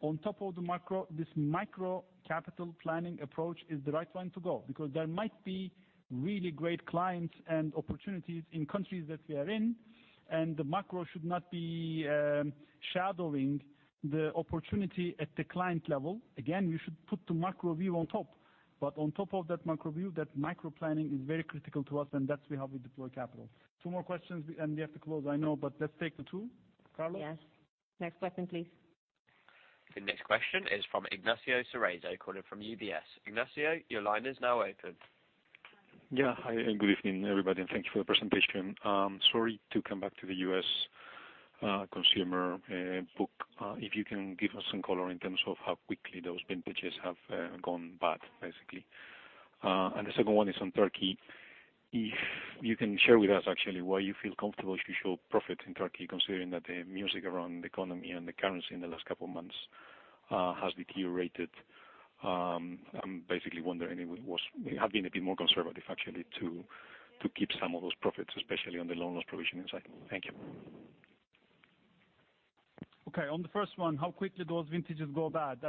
this micro capital planning approach is the right one to go, because there might be really great clients and opportunities in countries that we are in. The macro should not be shadowing the opportunity at the client level. We should put the macro view on top. On top of that macro view, that micro planning is very critical to us, and that's how we deploy capital. Two more questions, and we have to close, I know, but let's take the two. Gloria? Yes. Next question, please. The next question is from Ignacio Cerezo calling from UBS. Ignacio, your line is now open. Hi, good evening, everybody, and thank you for the presentation. Sorry to come back to the U.S. consumer book. If you can give us some color in terms of how quickly those vintages have gone bad, basically. The second one is on Turkey. If you can share with us actually why you feel comfortable to show profits in Turkey, considering that the music around the economy and the currency in the last couple of months has deteriorated. I'm basically wondering if you have been a bit more conservative, actually, to keep some of those profits, especially on the loan loss provision side. Thank you. Okay, on the first one, how quickly those vintages go bad.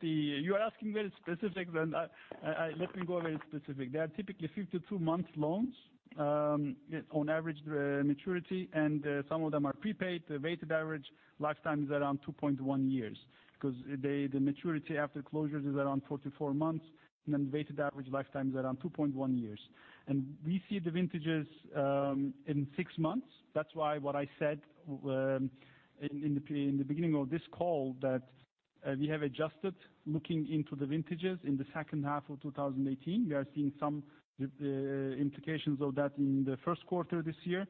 You are asking very specific. Let me go very specific. They are typically 52-month loans on average maturity, and some of them are prepaid. The weighted average lifetime is around 2.1 years because the maturity after closure is around 44 months, and the weighted average lifetime is around 2.1 years. We see the vintages in six months. That's why what I said in the beginning of this call that we have adjusted looking into the vintages in the second half of 2018. We are seeing some implications of that in the first quarter this year,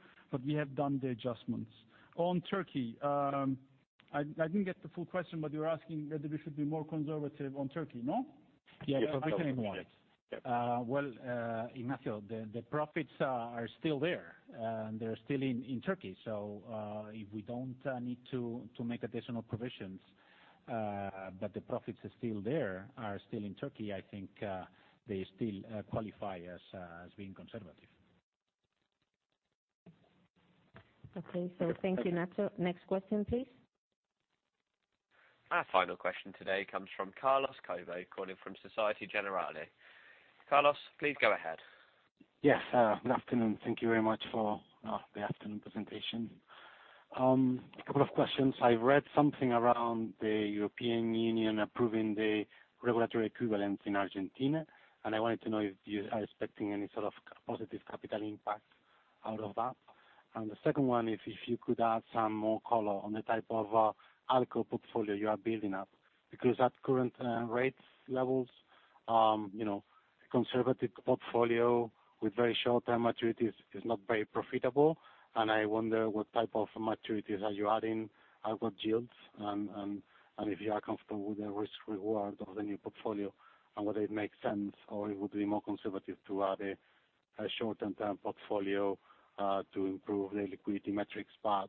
we have done the adjustments. On Turkey, I didn't get the full question. You're asking whether we should be more conservative on Turkey, no? Yes. Yeah, I can ignore it. Well, Ignacio, the profits are still there. They're still in Turkey. If we don't need to make additional provisions, the profits are still there, are still in Turkey, I think they still qualify as being conservative. Okay. Thank you, Ignacio. Next question, please. Our final question today comes from Carlos Cobo, calling from Societe Generale. Carlos, please go ahead. Yes. Good afternoon. Thank you very much for the afternoon presentation. A couple of questions. I read something around the European Union approving the regulatory equivalence in Argentina, and I wanted to know if you are expecting any sort of positive capital impact out of that. The second one, if you could add some more color on the type of ALCO portfolio you are building up. Because at current rates levels, conservative portfolio with very short-term maturities is not very profitable, I wonder what type of maturities are you adding, ALCO yields, and if you are comfortable with the risk reward of the new portfolio and whether it makes sense or it would be more conservative to add a short-term portfolio to improve the liquidity metrics but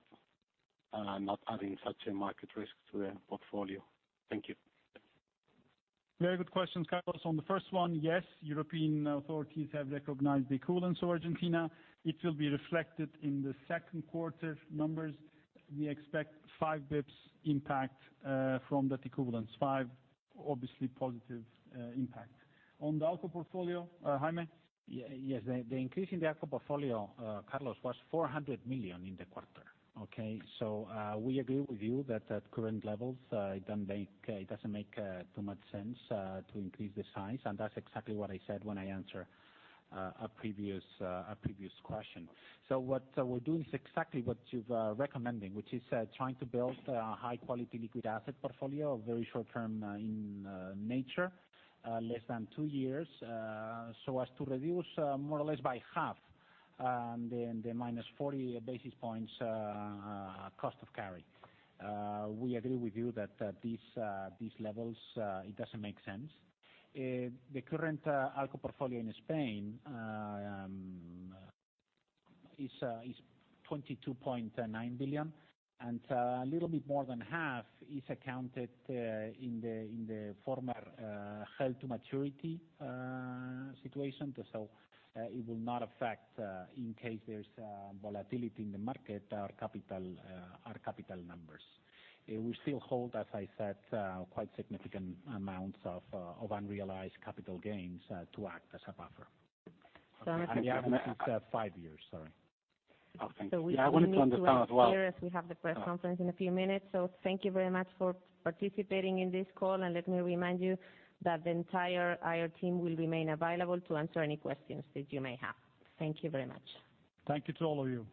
not adding such a market risk to the portfolio. Thank you. Very good questions, Carlos. On the first one, yes, European authorities have recognized the equivalence of Argentina. It will be reflected in the second quarter numbers. We expect 5 basis points impact from that equivalence. 5, obviously positive impact. On the ALCO portfolio, Jaime? Yes. The increase in the ALCO portfolio, Carlos, was 400 million in the quarter. Okay? We agree with you that at current levels, it doesn't make too much sense to increase the size, and that's exactly what I said when I answered a previous question. What we're doing is exactly what you're recommending, which is trying to build a high-quality liquid asset portfolio of very short-term in nature, less than two years, so as to reduce more or less by half the minus 40 basis points cost of carry. We agree with you that at these levels, it doesn't make sense. The current ALCO portfolio in Spain is 22.9 billion, and a little bit more than half is accounted in the former held to maturity situation. It will not affect, in case there's volatility in the market, our capital numbers. We still hold, as I said, quite significant amounts of unrealized capital gains to act as a buffer. The average is five years, sorry. Oh, thank you. Yeah, I wanted to understand as well. We have the press conference in a few minutes. Thank you very much for participating in this call. Let me remind you that the entire IR team will remain available to answer any questions that you may have. Thank you very much. Thank you to all of you.